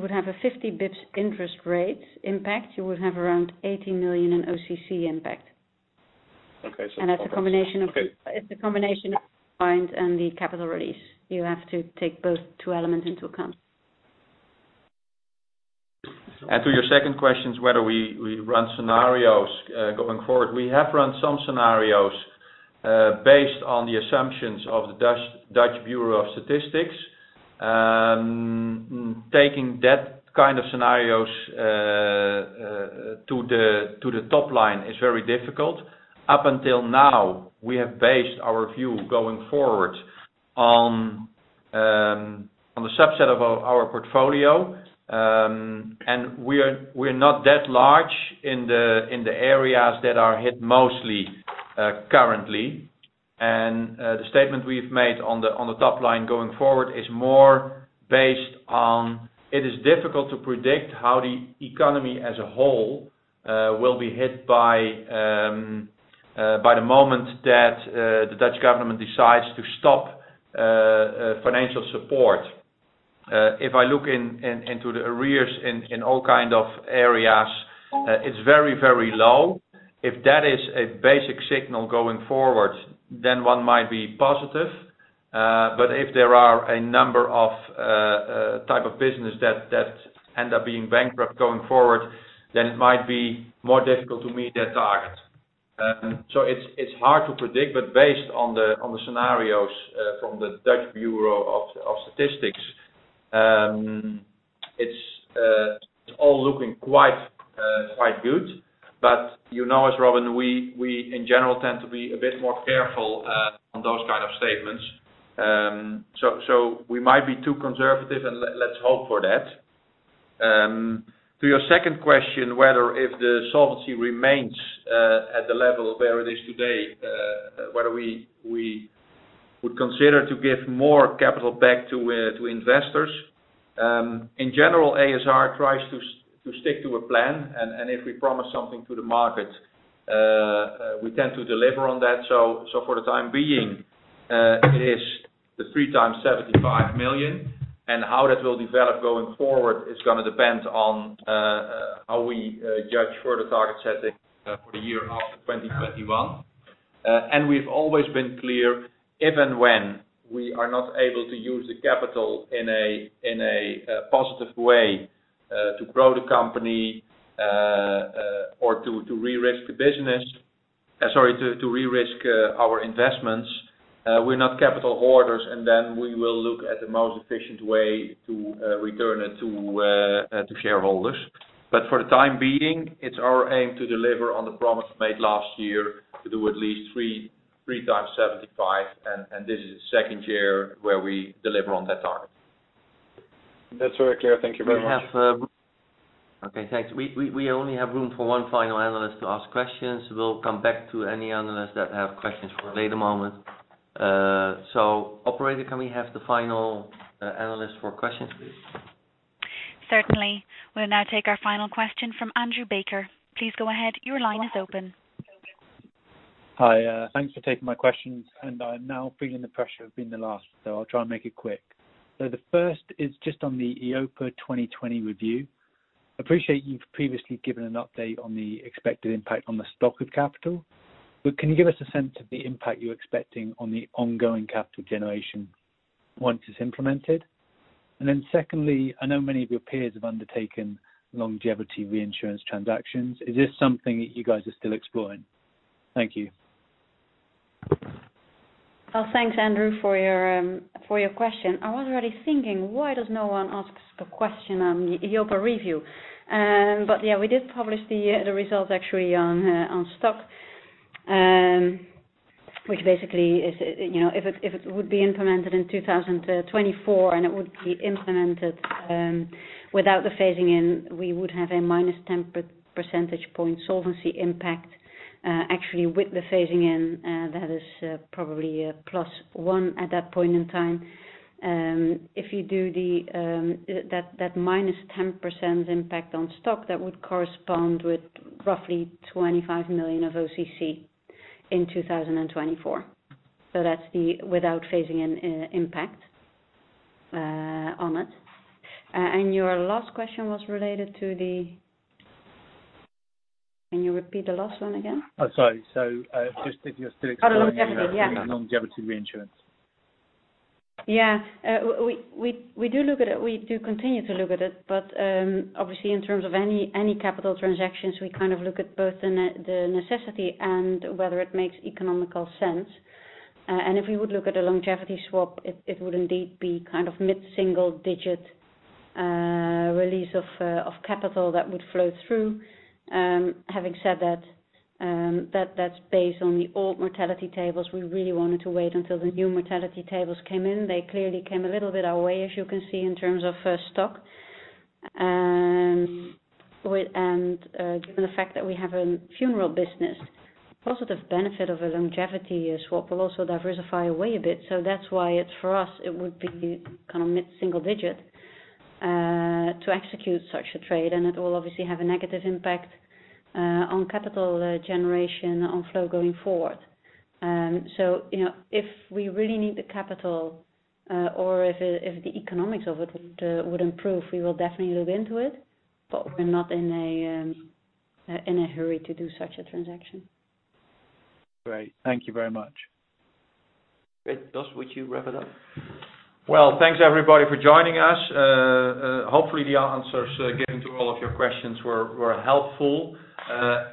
Speaker 4: would have a 50 basis points interest rate impact, you would have around 80 million in OCC impact.
Speaker 12: Okay.
Speaker 4: It's a combination.
Speaker 12: Okay
Speaker 4: It's a combination of points and the capital release. You have to take both two elements into account.
Speaker 3: To your second questions, whether we run scenarios going forward. We have run some scenarios based on the assumptions of Statistics Netherlands. Taking that kind of scenarios to the top line is very difficult. Up until now, we have based our view going forward on the subset of our portfolio. We're not that large in the areas that are hit mostly currently. The statement we've made on the top line going forward is more based on, it is difficult to predict how the economy as a whole will be hit by the moment that the Dutch government decides to stop financial support. If I look into the arrears in all kind of areas, it's very low. If that is a basic signal going forward, then one might be positive. If there are a number of type of business that end up being bankrupt going forward, then it might be more difficult to meet that target. It's hard to predict, but based on the scenarios from Statistics Netherlands, it's all looking quite good. You know, as Robin, we in general tend to be a bit more careful on those kind of statements. We might be too conservative, and let's hope for that. To your second question, whether if the solvency remains at the level where it is today whether we would consider to give more capital back to investors. In general, ASR tries to stick to a plan, and if we promise something to the market, we tend to deliver on that. For the time being, it is the 3x 75 million, and how that will develop going forward is going to depend on how we judge further target setting for the year after 2021. We've always been clear, if and when we are not able to use the capital in a positive way to grow the company or to re-risk our investments, we're not capital hoarders, and then we will look at the most efficient way to return it to shareholders. For the time being, it's our aim to deliver on the promise made last year to do at least 3x 75 million, and this is the second year where we deliver on that target.
Speaker 12: That's very clear. Thank you very much.
Speaker 2: Okay, thanks. We only have room for one final analyst to ask questions. We'll come back to any analysts that have questions for a later moment. Operator, can we have the final analyst for questions, please?
Speaker 1: Certainly. We'll now take our final question from Andrew Baker.
Speaker 13: Hi. Thanks for taking my questions, and I'm now feeling the pressure of being the last, so I'll try and make it quick. The first is just on the EIOPA 2020 review. Appreciate you've previously given an update on the expected impact on the stock of capital. Can you give us a sense of the impact you're expecting on the ongoing capital generation once it's implemented? Secondly, I know many of your peers have undertaken longevity reinsurance transactions. Is this something that you guys are still exploring? Thank you.
Speaker 4: Well, thanks, Andrew, for your question. I was already thinking, why does no one ask a question on the EIOPA review? Yeah, we did publish the results actually on stock, which basically is, if it would be implemented in 2024, and it would be implemented without the phasing in, we would have a -10 percentage point solvency impact. Actually, with the phasing in, that is probably a +1 at that point in time. If you do that -10% impact on stock, that would correspond with roughly 25 million of OCC in 2024. That's without phasing in impact on it. Your last question was related to Can you repeat the last one again?
Speaker 13: Oh, sorry. Just if you're still exploring.
Speaker 4: Oh, the longevity. Yeah.
Speaker 13: the longevity reinsurance.
Speaker 4: Yeah. We do continue to look at it, obviously in terms of any capital transactions, we kind of look at both the necessity and whether it makes economical sense. If we would look at a longevity swap, it would indeed be kind of mid-single digit release of capital that would flow through. Having said that's based on the old mortality tables. We really wanted to wait until the new mortality tables came in. They clearly came a little bit our way, as you can see, in terms of stock. Given the fact that we have a funeral business, positive benefit of a longevity swap will also diversify away a bit. That's why for us, it would be kind of mid-single digit to execute such a trade, and it will obviously have a negative impact on capital generation on flow going forward. If we really need the capital or if the economics of it would improve, we will definitely look into it, but we're not in a hurry to do such a transaction.
Speaker 13: Great. Thank you very much.
Speaker 2: Great. Jos, would you wrap it up?
Speaker 3: Well, thanks everybody for joining us. Hopefully the answers given to all of your questions were helpful.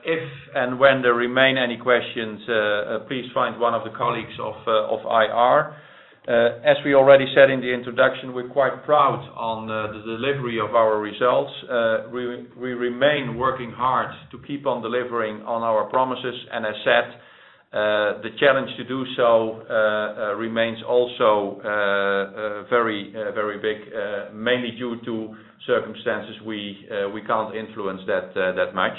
Speaker 3: If and when there remain any questions, please find one of the colleagues of IR. As we already said in the introduction, we're quite proud on the delivery of our results. We remain working hard to keep on delivering on our promises. As said, the challenge to do so remains also very big, mainly due to circumstances we can't influence that much.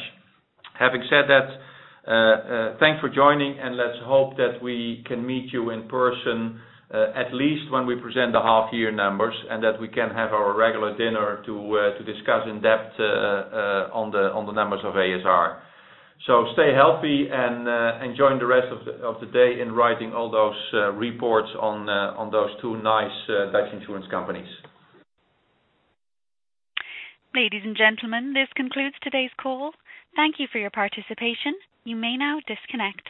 Speaker 3: Having said that, thanks for joining, and let's hope that we can meet you in person, at least when we present the half year numbers, and that we can have our regular dinner to discuss in depth on the numbers of ASR. Stay healthy, and enjoy the rest of the day in writing all those reports on those two nice Dutch insurance companies.
Speaker 1: Ladies and gentlemen, this concludes today's call. Thank you for your participation. You may now disconnect.